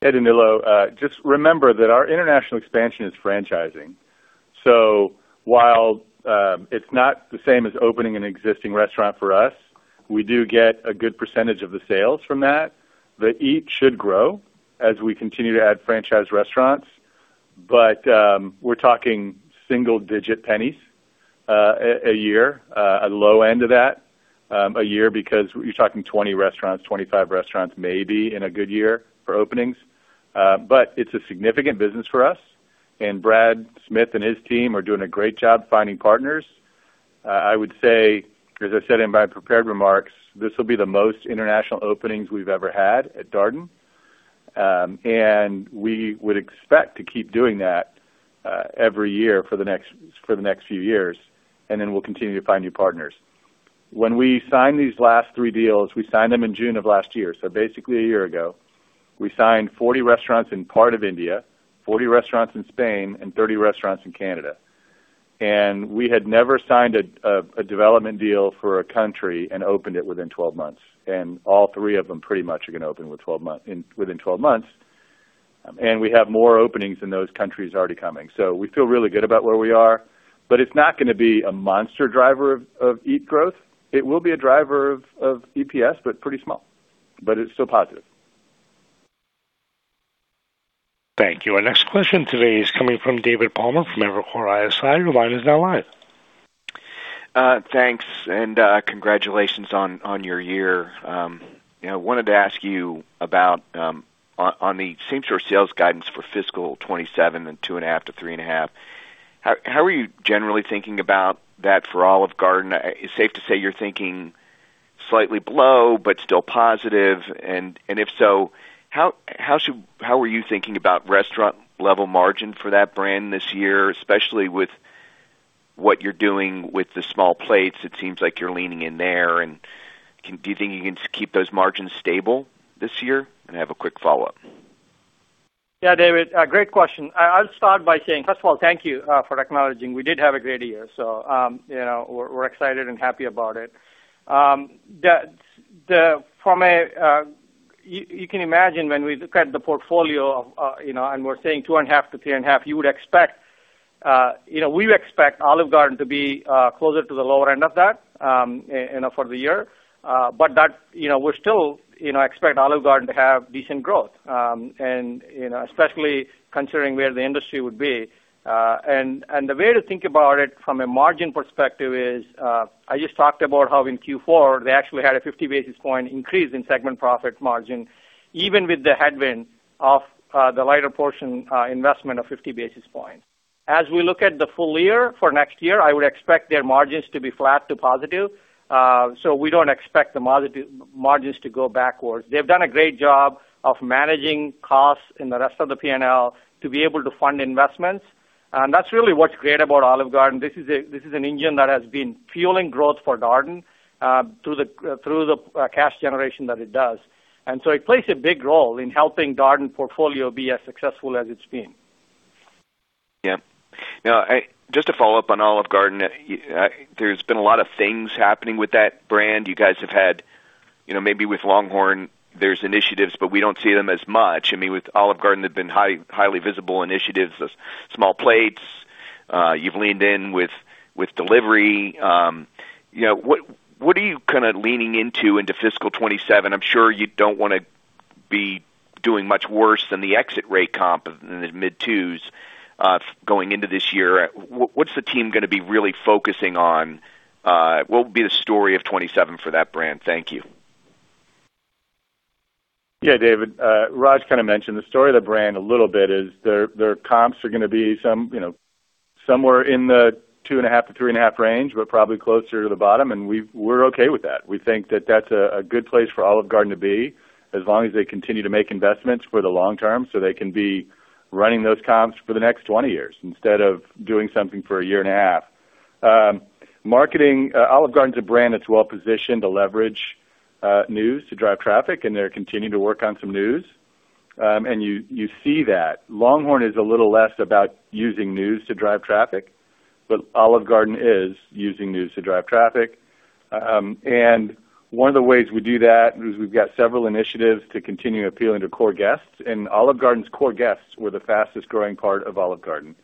Danilo, just remember that our international expansion is franchising. While it's not the same as opening an existing restaurant for us, we do get a good percentage of the sales from that. The EAT should grow as we continue to add franchise restaurants. We're talking single-digit pennies a year, a low end of that a year, because you're talking 20 restaurants, 25 restaurants, maybe in a good year for openings. It's a significant business for us, and Brad Smith and his team are doing a great job finding partners. I would say, as I said in my prepared remarks, this will be the most international openings we've ever had at Darden. We would expect to keep doing that every year for the next few years, then we'll continue to find new partners. When we signed these last three deals, we signed them in June of last year. Basically, a year ago. We signed 40 restaurants in part of India, 40 restaurants in Spain, and 30 restaurants in Canada. We had never signed a development deal for a country and opened it within 12 months. All three of them pretty much are going to open within 12 months. We have more openings in those countries already coming. We feel really good about where we are, but it's not going to be a monster driver of EAT growth. It will be a driver of EPS, but pretty small, but it's still positive. Thank you. Our next question today is coming from David Palmer from Evercore ISI. Your line is now live. Thanks. Congratulations on your year. I wanted to ask you about the same-store sales guidance for FY 2027 and 2.5%-3.5%. How are you generally thinking about that for Olive Garden? Is it safe to say you are thinking slightly below but still positive? If so, how are you thinking about restaurant-level margin for that brand this year, especially with what you are doing with the small plates? It seems like you are leaning in there. Do you think you can keep those margins stable this year? I have a quick follow-up. David, great question. I will start by saying, first of all, thank you for acknowledging we did have a great year, so we are excited and happy about it. You can imagine when we look at the portfolio, and we are saying 2.5%-3.5%. We would expect Olive Garden to be closer to the lower end of that for the year. We still expect Olive Garden to have decent growth, especially considering where the industry would be. The way to think about it from a margin perspective is, I just talked about how in Q4, they actually had a 50 basis point increase in segment profit margin, even with the headwind of the lighter portion investment of 50 basis points. As we look at the full year for next year, I would expect their margins to be flat to positive. We do not expect the margins to go backwards. They have done a great job of managing costs in the rest of the P&L to be able to fund investments, and that is really what is great about Olive Garden. This is an engine that has been fueling growth for Darden through the cash generation that it does. It plays a big role in helping Darden portfolio be as successful as it has been. Now, just to follow up on Olive Garden, there has been a lot of things happening with that brand. You guys have had, maybe with LongHorn, there are initiatives, but we do not see them as much. With Olive Garden, there has been highly visible initiatives, those small plates. You have leaned in with delivery. What are you kind of leaning into into FY 2027? I am sure you do not want to be doing much worse than the exit rate comp in the mid 2s going into this year. What is the team going to be really focusing on? What will be the story of 2027 for that brand? Thank you. David, Raj kind of mentioned the story of the brand a little bit is their comps are going to be somewhere in the 2.5%-3.5% range, but probably closer to the bottom, and we're okay with that. We think that that's a good place for Olive Garden to be, as long as they continue to make investments for the long term so they can be running those comps for the next 20 years instead of doing something for a year and a half. Marketing, Olive Garden's a brand that's well-positioned to leverage news to drive traffic, and they're continuing to work on some news. You see that. LongHorn is a little less about using news to drive traffic, Olive Garden is using news to drive traffic. One of the ways we do that is we've got several initiatives to continue appealing to core guests, Olive Garden's core guests were the fastest-growing part of Olive Garden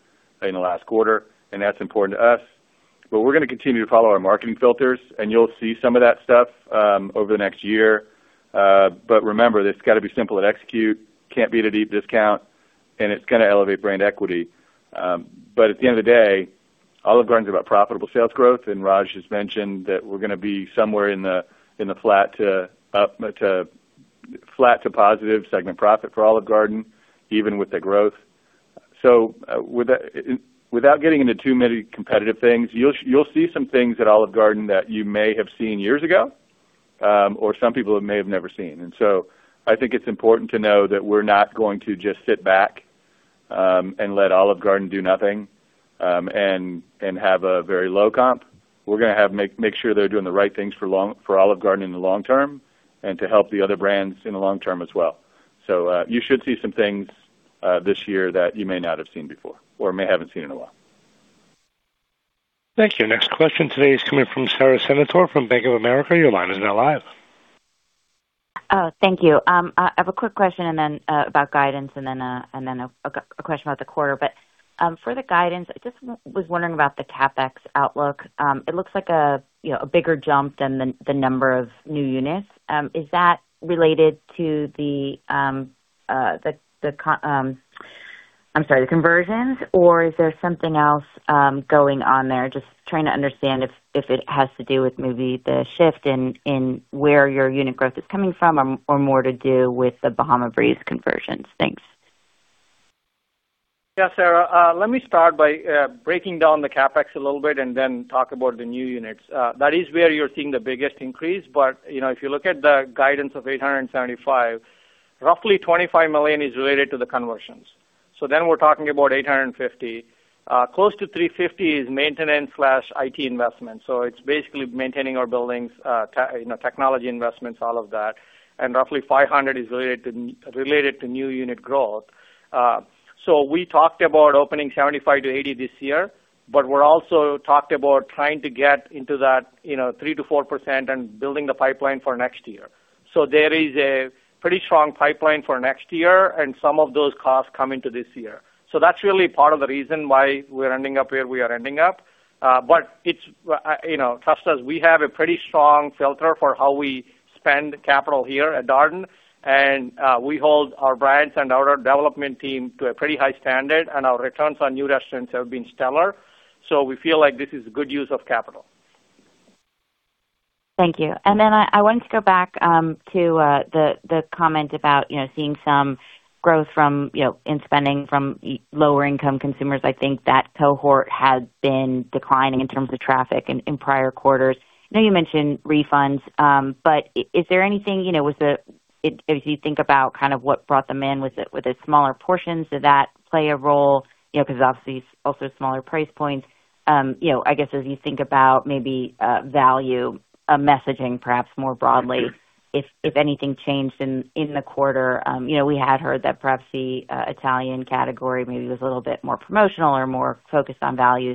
in the last quarter, and that's important to us. We're going to continue to follow our marketing filters, and you'll see some of that stuff over the next year. Remember, it's got to be simple to execute, can't be at a deep discount, and it's got to elevate brand equity. At the end of the day, Olive Garden's about profitable sales growth, Raj has mentioned that we're going to be somewhere in the flat to positive segment profit for Olive Garden, even with the growth. Without getting into too many competitive things, you'll see some things at Olive Garden that you may have seen years ago, or some people may have never seen. I think it's important to know that we're not going to just sit back and let Olive Garden do nothing and have a very low comp. We're going to make sure they're doing the right things for Olive Garden in the long term and to help the other brands in the long term as well. You should see some things this year that you may not have seen before or may haven't seen in a while. Thank you. Next question today is coming from Sara Senatore from Bank of America. Your line is now live. Thank you. I have a quick question about guidance and then a question about the quarter. For the guidance, I just was wondering about the CapEx outlook. It looks like a bigger jump than the number of new units. Is that related to the conversions, or is there something else going on there? Just trying to understand if it has to do with maybe the shift in where your unit growth is coming from or more to do with the Bahama Breeze conversions. Thanks. Sara. Let me start by breaking down the CapEx a little bit and talk about the new units. That is where you're seeing the biggest increase. If you look at the guidance of $875 million, roughly $25 million is related to the conversions. We're talking about $850 million. Close to $350 million is maintenance/IT investment. It's basically maintaining our buildings, technology investments, all of that, and roughly $500 million is related to new unit growth. We talked about opening 75-80 this year, but we also talked about trying to get into that 3%-4% and building the pipeline for next year. There is a pretty strong pipeline for next year, and some of those costs come into this year. That's really part of the reason why we're ending up where we are ending up. Trust us, we have a pretty strong filter for how we spend capital here at Darden, and we hold our brands and our development team to a pretty high standard, and our returns on new restaurants have been stellar. We feel like this is good use of capital. Thank you. I wanted to go back to the comment about seeing some growth in spending from lower-income consumers. I think that cohort has been declining in terms of traffic in prior quarters. I know you mentioned refunds. Is there anything, as you think about what brought them in, was it smaller portions? Did that play a role? Obviously, it's also smaller price points. I guess, as you think about maybe value messaging perhaps more broadly, if anything changed in the quarter. We had heard that perhaps the Italian category maybe was a little bit more promotional or more focused on value.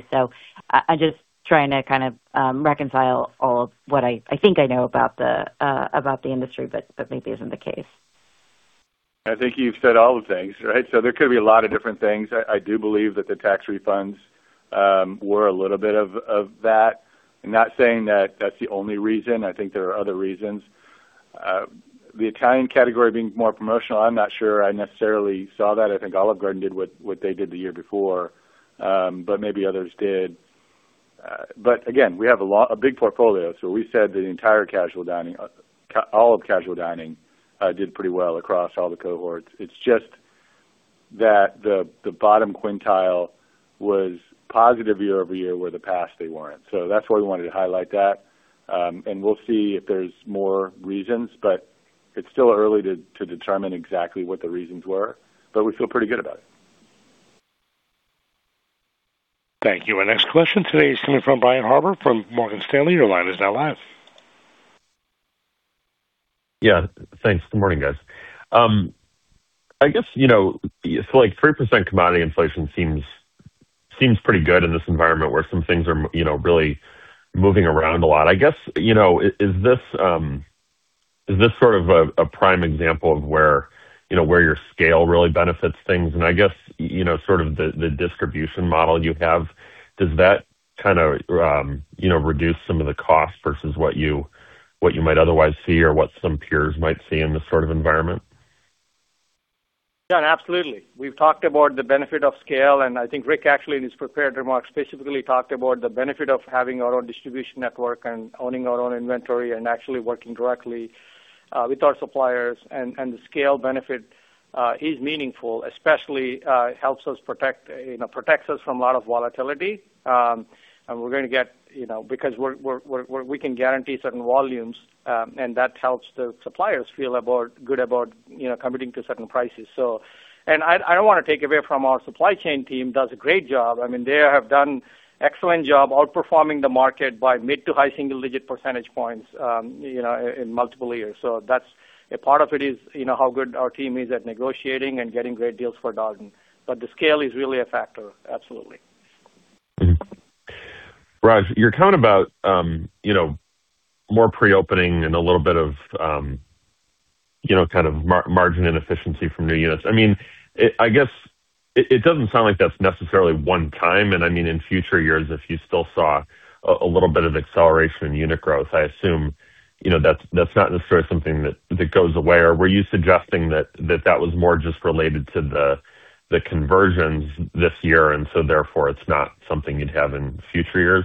I'm just trying to kind of reconcile all of what I think I know about the industry, but maybe isn't the case? I think you've said all the things, right? There could be a lot of different things. I do believe that the tax refunds were a little bit of that. I'm not saying that that's the only reason. I think there are other reasons. The Italian category being more promotional, I'm not sure I necessarily saw that. I think Olive Garden did what they did the year before, but maybe others did. Again, we have a big portfolio, we said that all of casual dining did pretty well across all the cohorts. It's just that the bottom quintile was positive year-over-year, where the past they weren't. That's why we wanted to highlight that. We'll see if there's more reasons, but it's still early to determine exactly what the reasons were, but we feel pretty good about it. Thank you. Our next question today is coming from Brian Harbour from Morgan Stanley. Your line is now live. Yeah. Thanks. Good morning, guys. I guess, 3% commodity inflation seems pretty good in this environment where some things are really moving around a lot. I guess, is this sort of a prime example of where your scale really benefits things? I guess, sort of the distribution model you have. Does that kind of reduce some of the cost versus what you might otherwise see or what some peers might see in this sort of environment? Yeah, absolutely. We've talked about the benefit of scale, I think Rick actually, in his prepared remarks, specifically talked about the benefit of having our own distribution network and owning our own inventory and actually working directly with our suppliers. The scale benefit is meaningful, especially helps us protects us from a lot of volatility. Because we can guarantee certain volumes, that helps the suppliers feel good about committing to certain prices. I don't want to take away from our supply chain team, does a great job. They have done excellent job outperforming the market by mid- to high-single digit percentage points in multiple years. A part of it is, how good our team is at negotiating and getting great deals for Darden. The scale is really a factor. Absolutely. Raj, you're talking about more pre-opening and a little bit of margin inefficiency from new units. I guess it doesn't sound like that's necessarily one time, in future years, if you still saw a little bit of acceleration in unit growth, I assume, that's not necessarily something that goes away. Or were you suggesting that was more just related to the conversions this year, therefore, it's not something you'd have in future years?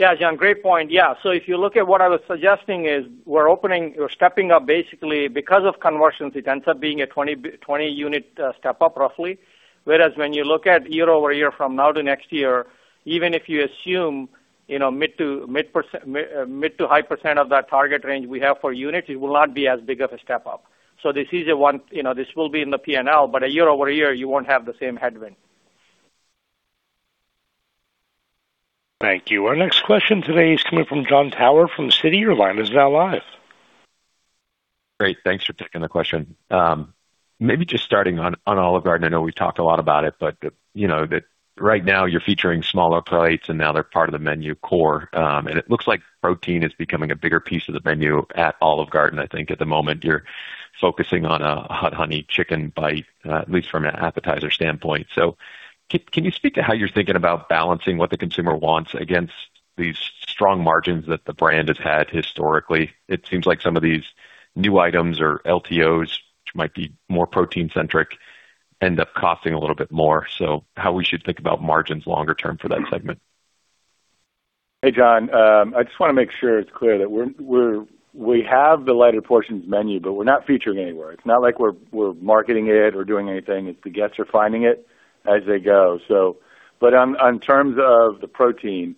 Yeah, Brian, great point. If you look at what I was suggesting is we're opening or stepping up basically because of conversions, it ends up being a 20 unit step up, roughly. Whereas when you look at year-over-year from now to next year, even if you assume, mid to high percent of that target range we have for units, it will not be as big of a step up. This will be in the P&L, but year-over-year, you won't have the same headwind. Thank you. Our next question today is coming from Jon Tower from Citi. Your line is now live. Great. Thanks for taking the question. Maybe just starting on Olive Garden. I know we've talked a lot about it, but right now you're featuring smaller plates, and now they're part of the menu core. It looks like protein is becoming a bigger piece of the menu at Olive Garden, I think at the moment. You're focusing on a hot honey chicken bite, at least from an appetizer standpoint. Can you speak to how you're thinking about balancing what the consumer wants against these strong margins that the brand has had historically? It seems like some of these new items or LTOs, which might be more protein-centric, end up costing a little bit more. How we should think about margins longer-term for that segment? Hey, Jon. I just want to make sure it's clear that we have the lighter portions menu, we're not featuring anywhere. It's not like we're marketing it or doing anything. The guests are finding it as they go. In terms of the protein,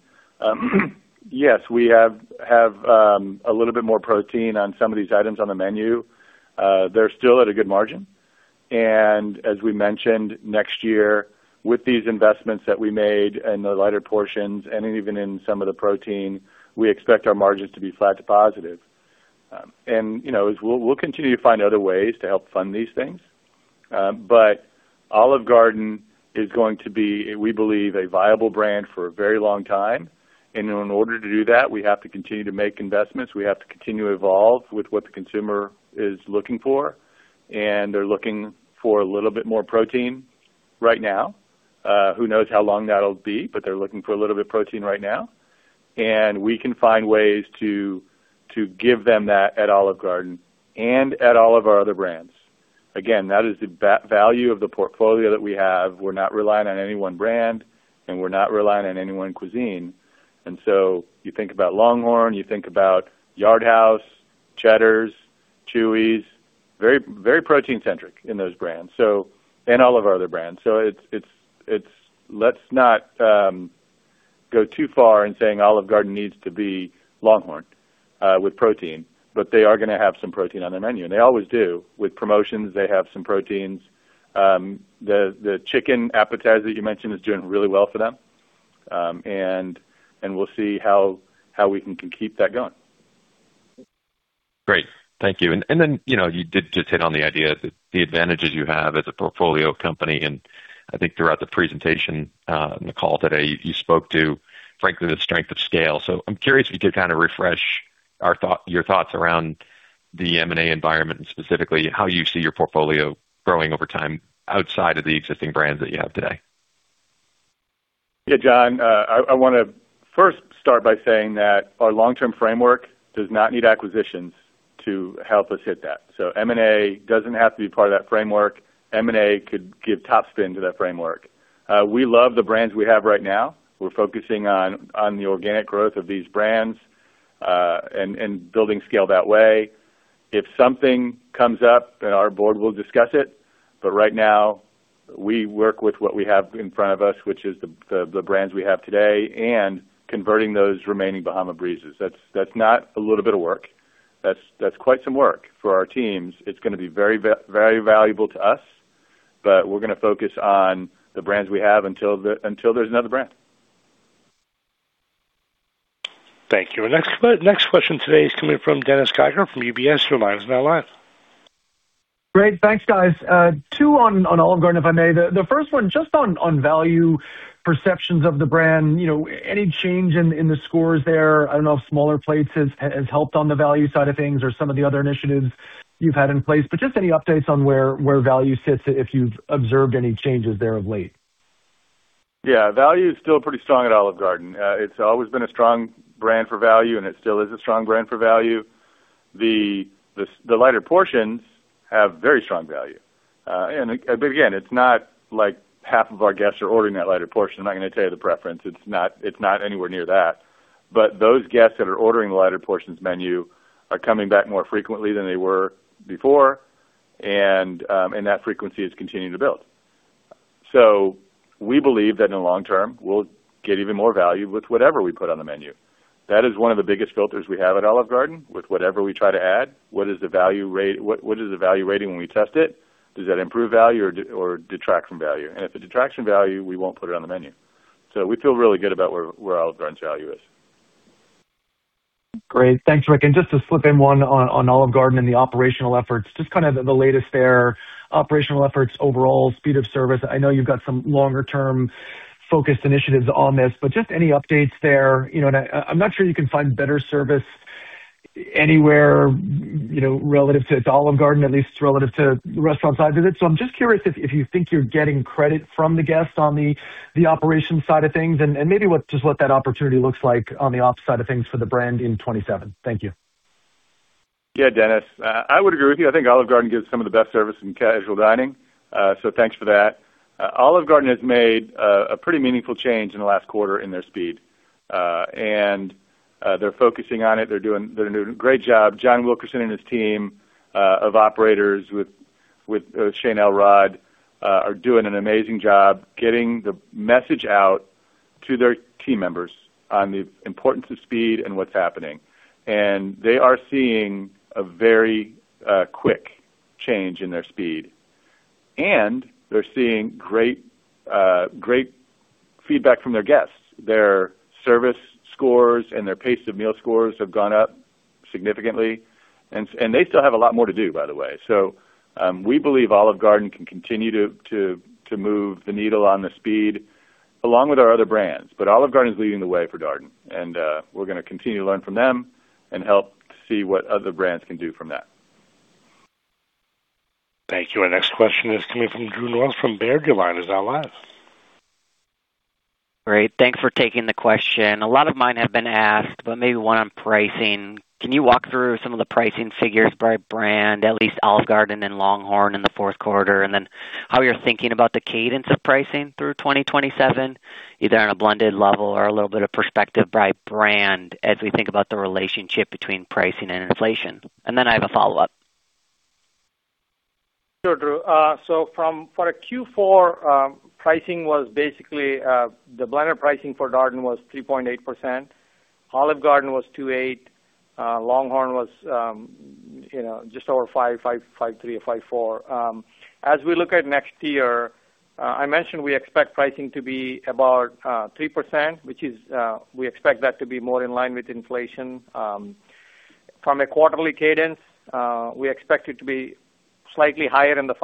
yes, we have a little bit more protein on some of these items on the menu. They're still at a good margin. As we mentioned, next year, with these investments that we made and the lighter portions, and even in some of the protein, we expect our margins to be flat to positive. We'll continue to find other ways to help fund these things. Olive Garden is going to be, we believe, a viable brand for a very long time. In order to do that, we have to continue to make investments. We have to continue to evolve with what the consumer is looking for, they're looking for a little bit more protein right now. Who knows how long that'll be, they're looking for a little bit of protein right now. We can find ways to give them that at Olive Garden and at all of our other brands. Again, that is the value of the portfolio that we have. We're not reliant on any one brand, we're not reliant on any one cuisine. You think about LongHorn, you think about Yard House, Cheddar's, Chuy's, very protein-centric in those brands, and all of our other brands. Let's not go too far in saying Olive Garden needs to be LongHorn with protein, they are going to have some protein on their menu, and they always do. With promotions, they have some proteins. The chicken appetizer you mentioned is doing really well for them. We'll see how we can keep that going. Great. Thank you. You did just hit on the idea that the advantages you have as a portfolio company, I think throughout the presentation, on the call today, you spoke to, frankly, the strength of scale. I'm curious if you could kind of refresh your thoughts around the M&A environment and specifically how you see your portfolio growing over time outside of the existing brands that you have today? Jon, I want to first start by saying that our long-term framework does not need acquisitions to help us hit that. M&A doesn't have to be part of that framework. M&A could give top spin to that framework. We love the brands we have right now. We're focusing on the organic growth of these brands, and building scale that way. If something comes up, our Board will discuss it. Right now, we work with what we have in front of us, which is the brands we have today and converting those remaining Bahama Breezes. That's not a little bit of work. That's quite some work for our teams. It's going to be very valuable to us, but we're going to focus on the brands we have until there's another brand. Thank you. Our next question today is coming from Dennis Geiger from UBS. Your line is now live. Great. Thanks, guys. Two on Olive Garden, if I may. The first one, just on value perceptions of the brand, any change in the scores there? I don't know if smaller plates has helped on the value side of things or some of the other initiatives you've had in place. Just any updates on where value sits, if you've observed any changes there of late? Value is still pretty strong at Olive Garden. It's always been a strong brand for value, it still is a strong brand for value. The lighter portions have very strong value It's not like half of our guests are ordering that lighter portion. I'm not going to tell you the preference. It's not anywhere near that. Those guests that are ordering the lighter portions menu are coming back more frequently than they were before, and that frequency is continuing to build. We believe that in the long term, we'll get even more value with whatever we put on the menu. That is one of the biggest filters we have at Olive Garden with whatever we try to add. What is the value rating when we test it? Does that improve value or detract from value? If it detracts from value, we won't put it on the menu. We feel really good about where Olive Garden's value is. Great. Thanks, Rick. Just to slip in one on Olive Garden and the operational efforts, just kind of the latest there, operational efforts, overall speed of service. I know you've got some longer-term focused initiatives on this, just any updates there. I'm not sure you can find better service anywhere relative to Olive Garden, at least relative to restaurant side visits. I'm just curious if you think you're getting credit from the guests on the operation side of things and maybe just what that opportunity looks like on the ops side of things for the brand in 2027? Thank you. Yeah, Dennis, I would agree with you. I think Olive Garden gives some of the best service in casual dining. Thanks for that. Olive Garden has made a pretty meaningful change in the last quarter in their speed. They're focusing on it. They're doing a great job. John Wilkerson and his team of operators with Shane Elrod are doing an amazing job getting the message out to their team members on the importance of speed and what's happening. They are seeing a very quick change in their speed, and they're seeing great feedback from their guests. Their service scores and their pace of meal scores have gone up significantly, and they still have a lot more to do, by the way. We believe Olive Garden can continue to move the needle on the speed along with our other brands. Olive Garden is leading the way for Darden. We're going to continue to learn from them and help see what other brands can do from that. Thank you. Our next question is coming from Drew Norris from Baird. Your line is now live. Great. Thanks for taking the question. A lot of mine have been asked, but maybe one on pricing. Can you walk through some of the pricing figures by brand, at least Olive Garden and LongHorn in the fourth quarter? Then how you're thinking about the cadence of pricing through 2027, either on a blended level or a little bit of perspective by brand as we think about the relationship between pricing and inflation? Then I have a follow-up. Sure, Drew. For Q4, the blended pricing for Darden was 3.8%, Olive Garden was 2.8%, LongHorn was just over 5.3% or 5.4%. As we look at next year, I mentioned we expect pricing to be about 3%, which we expect that to be more in line with inflation. From a quarterly cadence, we expect it to be slightly higher than 3%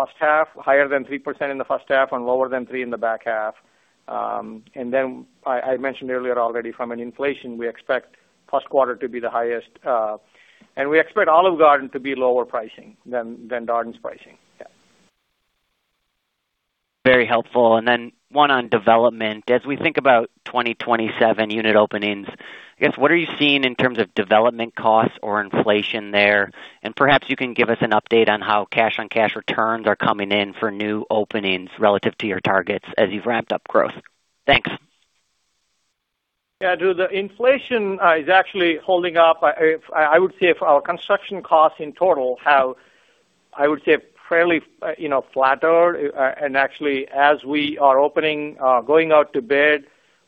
in the first half and lower than 3% in the back half. Then I mentioned earlier already from an inflation, we expect first quarter to be the highest, and we expect Olive Garden to be lower pricing than Darden's pricing. Yeah. Very helpful. Then one on development. As we think about 2027 unit openings, I guess, what are you seeing in terms of development costs or inflation there? And perhaps you can give us an update on how cash-on-cash returns are coming in for new openings relative to your targets as you've ramped up growth? Thanks. Drew, the inflation is actually holding up. Our construction costs in total have, fairly flattered. Actually, as we are opening, going out to bid.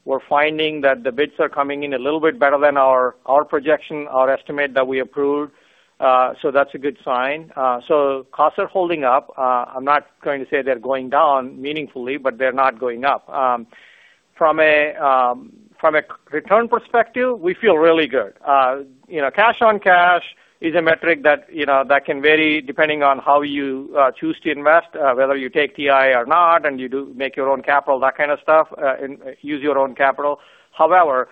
We are finding that the bids are coming in a little bit better than our projection, our estimate that we approved. That's a good sign. Costs are holding up. I'm not going to say they're going down meaningfully, but they're not going up. From a return perspective, we feel really good. Cash-on-cash is a metric that can vary depending on how you choose to invest, whether you take TI or not, and you do make your own capital, that kind of stuff, and use your own capital. However,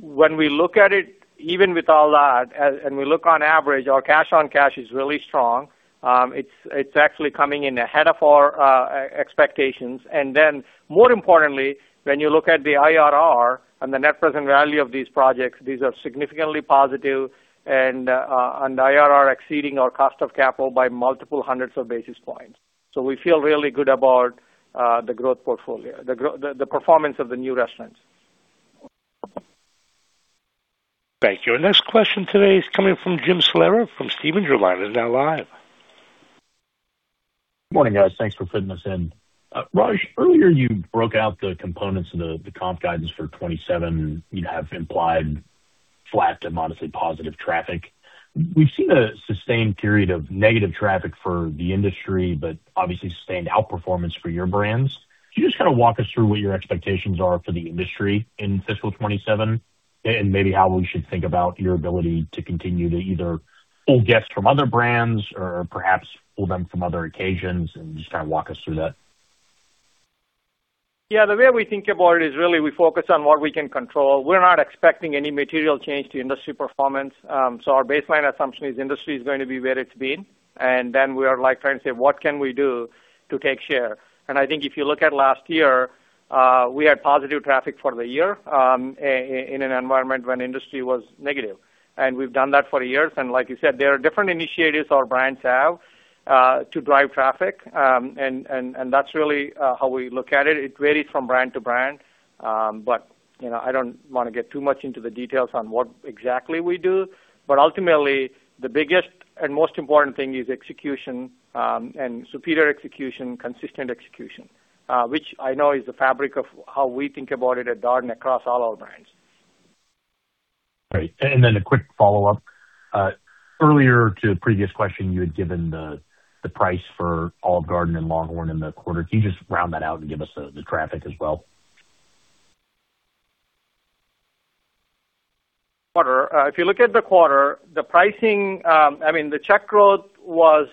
when we look at it, even with all that, and we look on average, our cash-on-cash is really strong. It's actually coming in ahead of our expectations. More importantly, when you look at the IRR and the net present value of these projects, these are significantly positive and IRR exceeding our cost of capital by multiple hundreds of basis points. We feel really good about the performance of the new restaurants. Thank you. Our next question today is coming from Jim Salera from Stephens. Your line is now live. Morning, guys. Thanks for fitting us in. Raj, earlier you broke out the components of the comp guidance for 2027 and have implied flat to modestly positive traffic. We've seen a sustained period of negative traffic for the industry, but obviously sustained outperformance for your brands. Can you just kind of walk us through what your expectations are for the industry in fiscal 2027? And maybe how we should think about your ability to continue to either pull guests from other brands or perhaps pull them from other occasions, and just kind of walk us through that? The way we think about it is really we focus on what we can control. We're not expecting any material change to industry performance. Our baseline assumption is industry is going to be where it's been, then we are trying to say, what can we do to take share? I think if you look at last year, we had positive traffic for the year, in an environment when industry was negative. We've done that for years, and like you said, there are different initiatives our brands have, to drive traffic. That's really how we look at it. It varies from brand to brand. I don't want to get too much into the details on what exactly we do, but ultimately the biggest and most important thing is execution, and superior execution, consistent execution. Which I know is the fabric of how we think about it at Darden across all our brands. Great. Then a quick follow-up. Earlier to the previous question, you had given the price for Olive Garden and LongHorn in the quarter. Can you just round that out and give us the traffic as well? If you look at the quarter, the pricing, the check growth was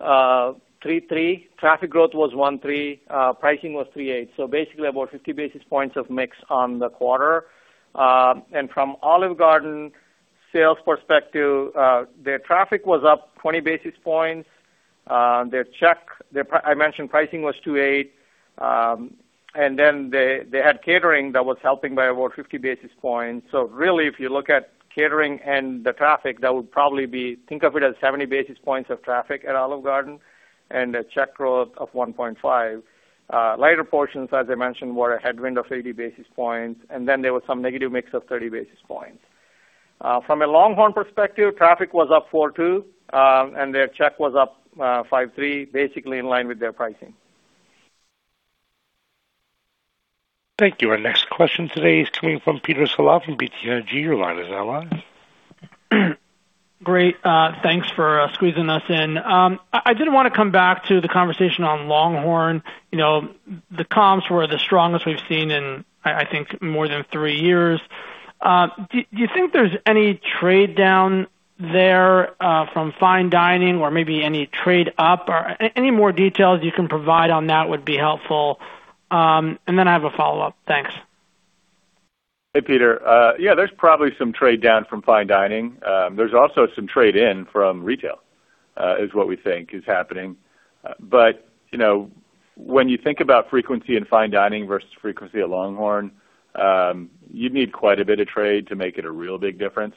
3.3. Traffic growth was 1.3, pricing was 3.8, basically about 50 basis points of mix on the quarter. From Olive Garden sales perspective, their traffic was up 20 basis points. Their check, I mentioned pricing was 2.8. Then they had catering that was helping by about 50 basis points. Really, if you look at catering and the traffic, that would probably be, think of it as 70 basis points of traffic at Olive Garden and a check growth of 1.5. Lighter portions, as I mentioned, were a headwind of 80 basis points, there was some negative mix of 30 basis points. From a LongHorn perspective, traffic was up 4.2, their check was up 5.3, basically in line with their pricing. Thank you. Our next question today is coming from Peter Saleh from BTIG. Your line is now live. Great, thanks for squeezing us in. I did want to come back to the conversation on LongHorn. The comps were the strongest we've seen in, I think, more than three years. Do you think there's any trade down there, from Fine Dining or maybe any trade up or any more details you can provide on that would be helpful? I have a follow-up. Thanks. Hey, Peter. Yeah, there's probably some trade down from Fine Dining. There's also some trade-in from retail, is what we think is happening. When you think about frequency and Fine Dining versus frequency at LongHorn, you'd need quite a bit of trade to make it a real big difference,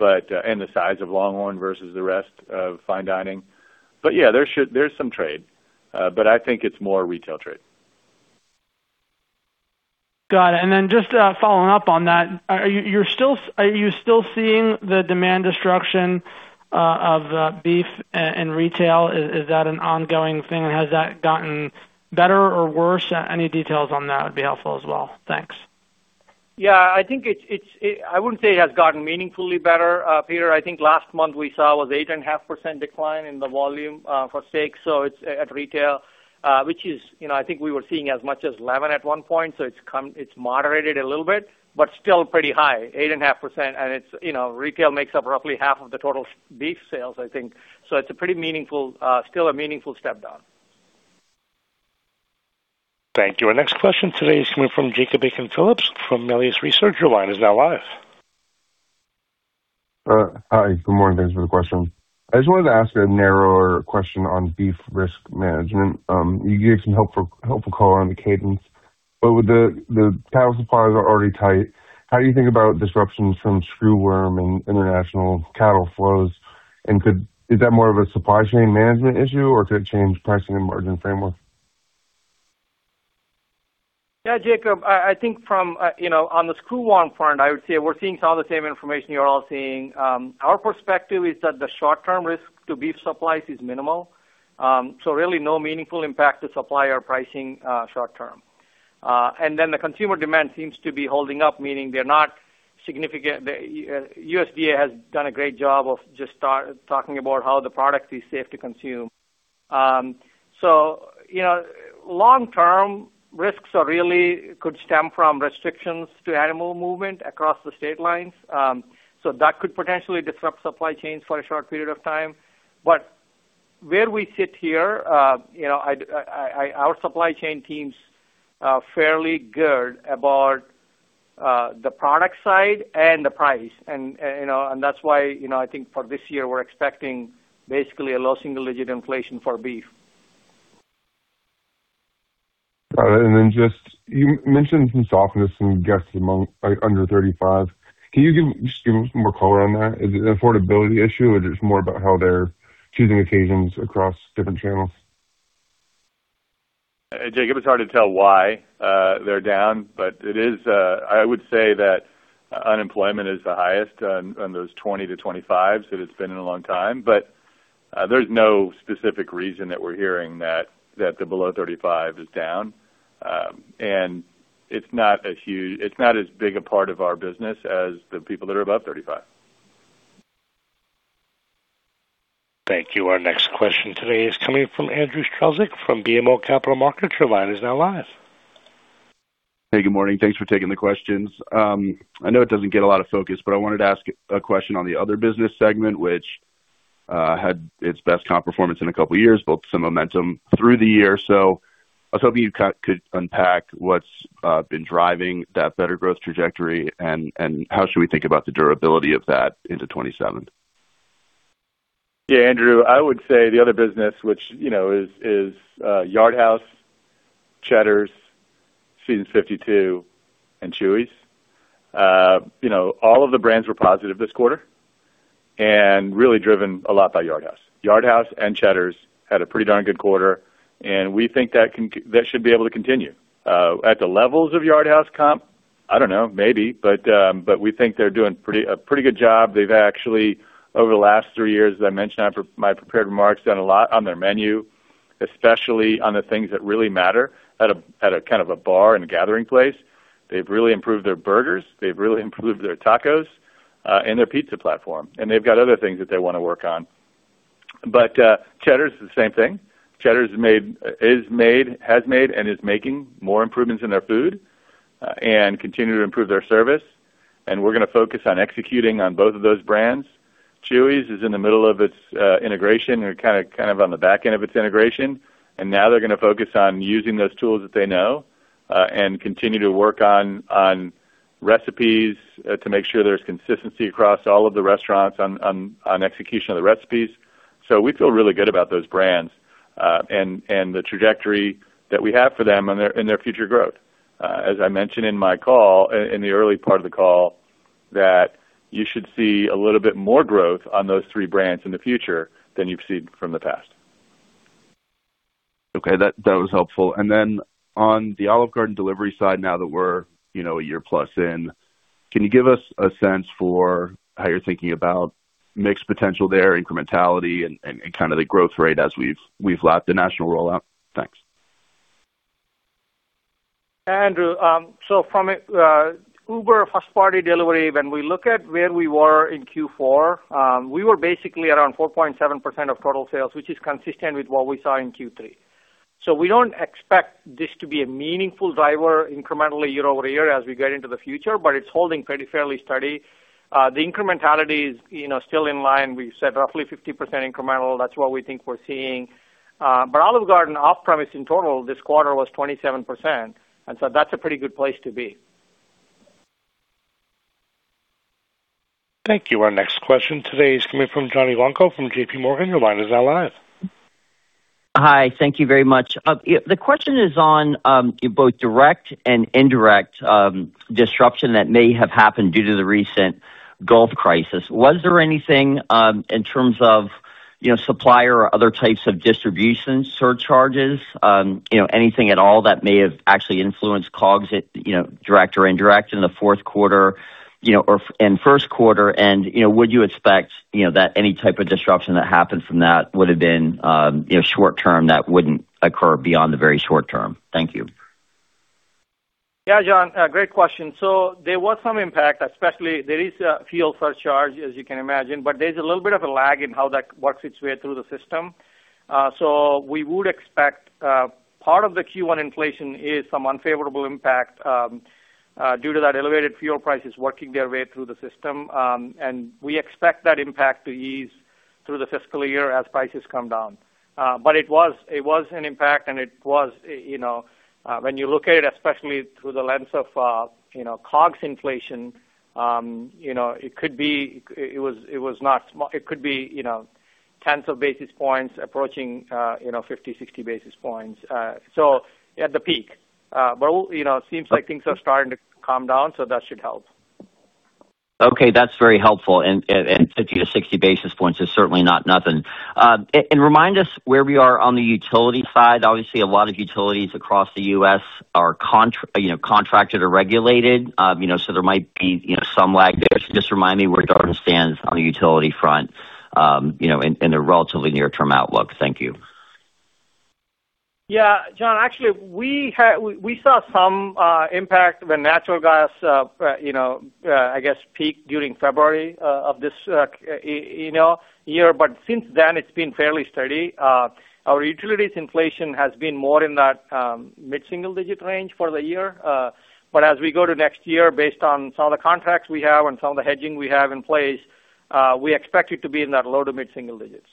and the size of LongHorn versus the rest of Fine Dining. There's some trade, but I think it's more retail trade. Got it. Just, following up on that, are you still seeing the demand destruction of beef in retail? Is that an ongoing thing or has that gotten better or worse? Any details on that would be helpful as well. Thanks. I wouldn't say it has gotten meaningfully better, Peter. I think last month we saw was 8.5% decline in the volume for steaks, it's at retail, which is, I think we were seeing as much as 11% at one point, it's moderated a little bit, but still pretty high, 8.5%. Retail makes up roughly half of the total beef sales, I think. It's still a meaningful step down. Thank you. Our next question today is coming from Jacob Aiken-Phillips from Melius Research. Your line is now live. Hi, good morning. Thanks for the question. I just wanted to ask a narrower question on beef risk management. You gave some helpful color on the cadence, but with the cattle supplies are already tight. How do you think about disruptions from screwworm and international cattle flows? Or is that more of a supply chain management issue, or could it change pricing and margin framework? Jacob, I think on the screwworm front, I would say we're seeing some of the same information you're all seeing. Our perspective is that the short-term risk to beef supplies is minimal. Really no meaningful impact to supplier pricing, short term. The consumer demand seems to be holding up, meaning they're not significant. USDA has done a great job of just start talking about how the product is safe to consume. Long term risks are really could stem from restrictions to animal movement across the state lines. That could potentially disrupt supply chains for a short period of time. Where we sit here, our supply chain team's fairly good about the product side and the price. That's why I think for this year, we're expecting basically a low single digit inflation for beef. Got it. You mentioned some softness in guests under 35. Can you give just more color on that? Is it an affordability issue, or is it more about how they're choosing occasions across different channels? Jacob, it's hard to tell why they're down. I would say that unemployment is the highest on those 20-25 that it's been in a long time. There's no specific reason that we're hearing that the below 35 is down. It's not as big a part of our business as the people that are above 35. Thank you. Our next question today is coming from Andrew Strelzik from BMO Capital Markets. Your line is now live. Hey, good morning. Thanks for taking the questions. I know it doesn't get a lot of focus. I wanted to ask a question on the other business segment, which had its best comp performance in a couple of years, built some momentum through the year. I was hoping you could unpack what's been driving that better growth trajectory, and how should we think about the durability of that into 2027? Andrew, I would say the other business, which is Yard House, Cheddar's, Seasons 52, and Chuy's. All of the brands were positive this quarter and really driven a lot by Yard House. Yard House and Cheddar's had a pretty darn good quarter. We think that should be able to continue. At the levels of Yard House comp, I don't know, maybe. We think they're doing a pretty good job. They've actually, over the last three years, as I mentioned in my prepared remarks, done a lot on their menu, especially on the things that really matter at a bar and a gathering place. They've really improved their burgers, they've really improved their tacos, and their pizza platform. They've got other things that they want to work on. Cheddar's the same thing. Cheddar's has made and is making more improvements in their food and continue to improve their service. We're going to focus on executing on both of those brands. Chuy's is in the middle of its integration or on the back end of its integration. Now they're going to focus on using those tools that they know. And continue to work on recipes to make sure there's consistency across all of the restaurants on execution of the recipes. We feel really good about those brands, and the trajectory that we have for them in their future growth. As I mentioned in my call, in the early part of the call, that you should see a little bit more growth on those three brands in the future than you've seen from the past. Okay. That was helpful. Then on the Olive Garden delivery side, now that we're a year plus in, can you give us a sense for how you're thinking about mix potential there, incrementality, and the growth rate as we've lapped the national rollout? Thanks. Andrew. From Uber first-party delivery, when we look at where we were in Q4, we were basically around 4.7% of total sales, which is consistent with what we saw in Q3. We don't expect this to be a meaningful driver incrementally year-over-year as we get into the future, but it's holding pretty fairly steady. The incrementality is still in line. We said roughly 50% incremental. That's what we think we're seeing. Olive Garden off-premise in total this quarter was 27%, that's a pretty good place to be. Thank you. Our next question today is coming from John Ivankoe from JPMorgan. Your line is now live. Hi. Thank you very much. The question is on both direct and indirect disruption that may have happened due to the recent Gulf crisis. Was there anything in terms of supplier or other types of distribution surcharges, anything at all that may have actually influenced COGS, direct or indirect in the fourth quarter or in first quarter? Would you expect that any type of disruption that happened from that would have been short-term, that wouldn't occur beyond the very short term? Thank you. Yeah, John, great question. There was some impact, especially there is a fuel surcharge, as you can imagine, but there's a little bit of a lag in how that works its way through the system. We would expect part of the Q1 inflation is some unfavorable impact due to that elevated fuel prices working their way through the system. We expect that impact to ease through the fiscal year as prices come down. It was an impact, and when you look at it, especially through the lens of COGS inflation, it could be tens of basis points approaching 50, 60 basis points at the peak. It seems like things are starting to calm down, that should help. Okay, that's very helpful, 50 basis points-60 basis points is certainly not nothing. Remind us where we are on the utility side. Obviously, a lot of utilities across the U.S. are contracted or regulated, there might be some lag there. Just remind me where Darden stands on the utility front in the relatively near-term outlook? Thank you. Yeah. John, actually, we saw some impact when natural gas, I guess, peaked during February of this year. Since then, it's been fairly steady. Our utilities inflation has been more in that mid-single digit range for the year. As we go to next year, based on some of the contracts we have and some of the hedging we have in place, we expect it to be in that low- to mid-single digits.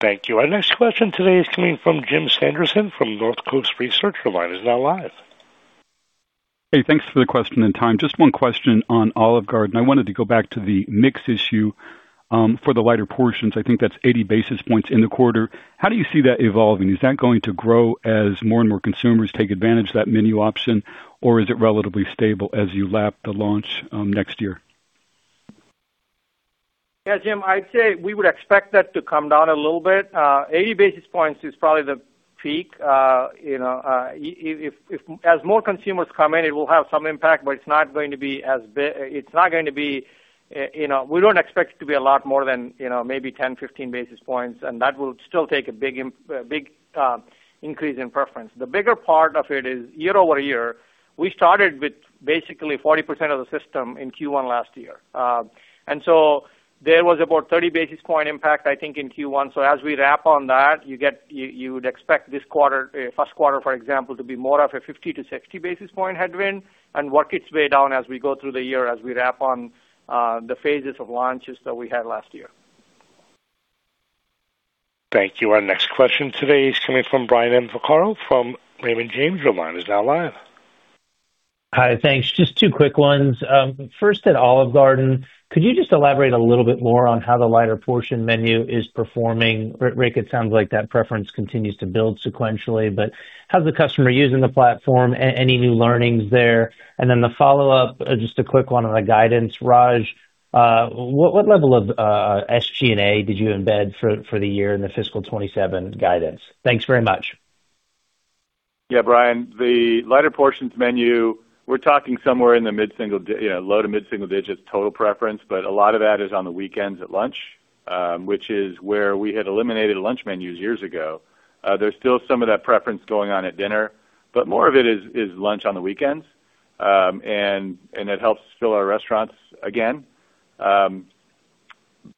Thank you. Our next question today is coming from Jim Sanderson from Northcoast Research. Your line is now live. Hey, thanks for the question and time. Just one question on Olive Garden. I wanted to go back to the mix issue for the lighter portions. I think that's 80 basis points in the quarter. How do you see that evolving? Is that going to grow as more and more consumers take advantage of that menu option? Or is it relatively stable as you lap the launch next year? Yeah, Jim, I'd say we would expect that to come down a little bit. 80 basis points is probably the peak. As more consumers come in, it will have some impact, it's not going to be We don't expect it to be a lot more than maybe 10, 15 basis points, and that will still take a big increase in preference. The bigger part of it is year-over-year, we started with basically 40% of the system in Q1 last year. There was about 30 basis point impact, I think, in Q1. As we wrap on that, you would expect this first quarter, for example, to be more of a 50 basis points-60 basis point headwind and work its way down as we go through the year, as we wrap on the phases of launches that we had last year. Thank you. Our next question today is coming from Brian Vaccaro from Raymond James. Your line is now live. Hi, thanks. Just two quick ones. First at Olive Garden, could you just elaborate a little bit more on how the lighter portion menu is performing? Rick, it sounds like that preference continues to build sequentially, but how's the customer using the platform? Any new learnings there? The follow-up, just a quick one on the guidance. Raj, what level of SG&A did you embed for the year in the fiscal 2027 guidance? Thanks very much. Yeah, Brian, the lighter portions menu, we're talking somewhere in the low- to mid-single digits total preference, but a lot of that is on the weekends at lunch, which is where we had eliminated lunch menus years ago. There's still some of that preference going on at dinner, but more of it is lunch on the weekends. It helps fill our restaurants again.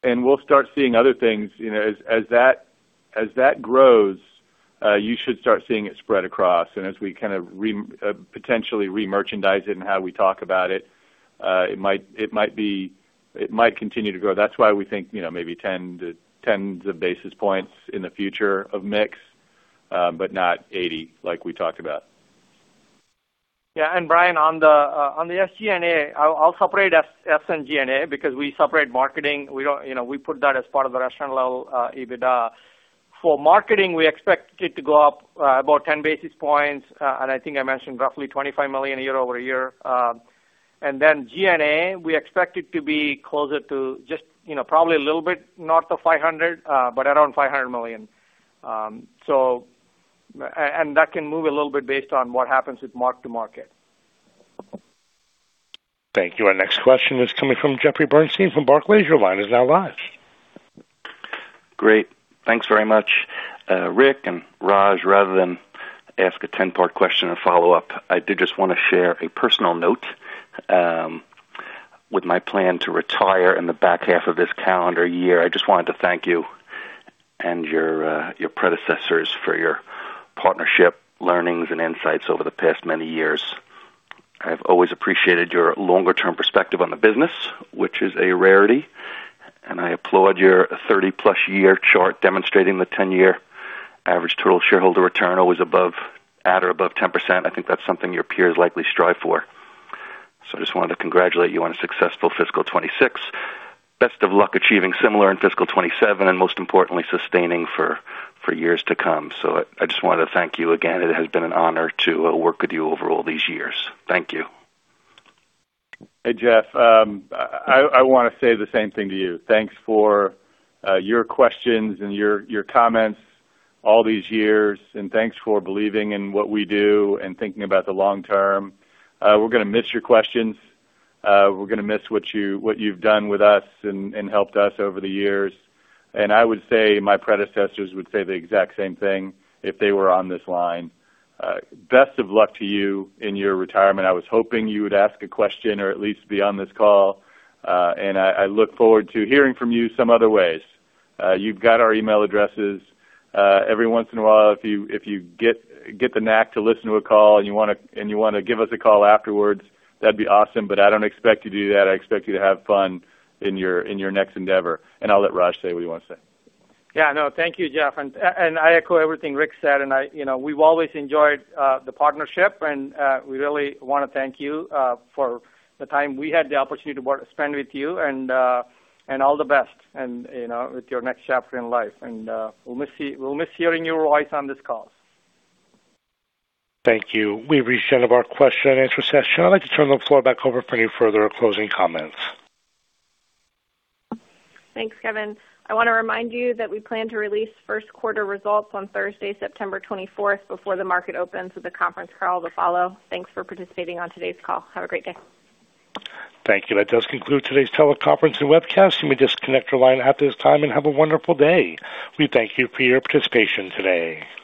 We'll start seeing other things. As that grows, you should start seeing it spread across. As we potentially re-merchandise it and how we talk about it might continue to grow. That's why we think maybe tens of basis points in the future of mix, but not 80 like we talked about. Yeah. Brian, on the SG&A, I'll separate S and G&A because we separate marketing. We put that as part of the restaurant level EBITDA. For marketing, we expect it to go up about 10 basis points. I mentioned roughly $25 million year-over-year. G&A, we expect it to be closer to just probably a little bit north of $500 million, but around $500 million. That can move a little bit based on what happens with mark-to-market. Thank you. Our next question is coming from Jeffrey Bernstein from Barclays. Your line is now live. Great. Thanks very much. Rick and Raj, rather than ask a 10-part question and follow up, I did just want to share a personal note. With my plan to retire in the back half of this calendar year, I just wanted to thank you and your predecessors for your partnership, learnings, and insights over the past many years. I've always appreciated your longer-term perspective on the business, which is a rarity, and I applaud your 30+ year chart demonstrating the 10-year average total shareholder return always at or above 10%. I think that's something your peers likely strive for. I just wanted to congratulate you on a successful fiscal 2026. Best of luck achieving similar in fiscal 2027, and most importantly, sustaining for years to come. I just wanted to thank you again. It has been an honor to work with you over all these years. Thank you. Hey, Jeffrey. I want to say the same thing to you. Thanks for your questions and your comments all these years, and thanks for believing in what we do and thinking about the long term. We're going to miss your questions. We're going to miss what you've done with us and helped us over the years, and I would say my predecessors would say the exact same thing if they were on this line. Best of luck to you in your retirement. I was hoping you would ask a question or at least be on this call. I look forward to hearing from you some other ways. You've got our email addresses. Every once in a while, if you get the knack to listen to a call and you want to give us a call afterwards, that'd be awesome. I don't expect you to do that. I expect you to have fun in your next endeavor. I'll let Raj say what he wants to say. Yeah, no. Thank you, Jeffrey. I echo everything Rick said. We've always enjoyed the partnership. We really want to thank you for the time we had the opportunity to spend with you. All the best with your next chapter in life. We'll miss hearing your voice on this call. Thank you. We've reached the end of our question and answer session. I'd like to turn the floor back over for any further closing comments. Thanks, Kevin. I want to remind you that we plan to release first quarter results on Thursday, September 24th, before the market opens, with a conference call to follow. Thanks for participating on today's call. Have a great day. Thank you. That does conclude today's teleconference and webcast. You may disconnect your line at this time, and have a wonderful day. We thank you for your participation today.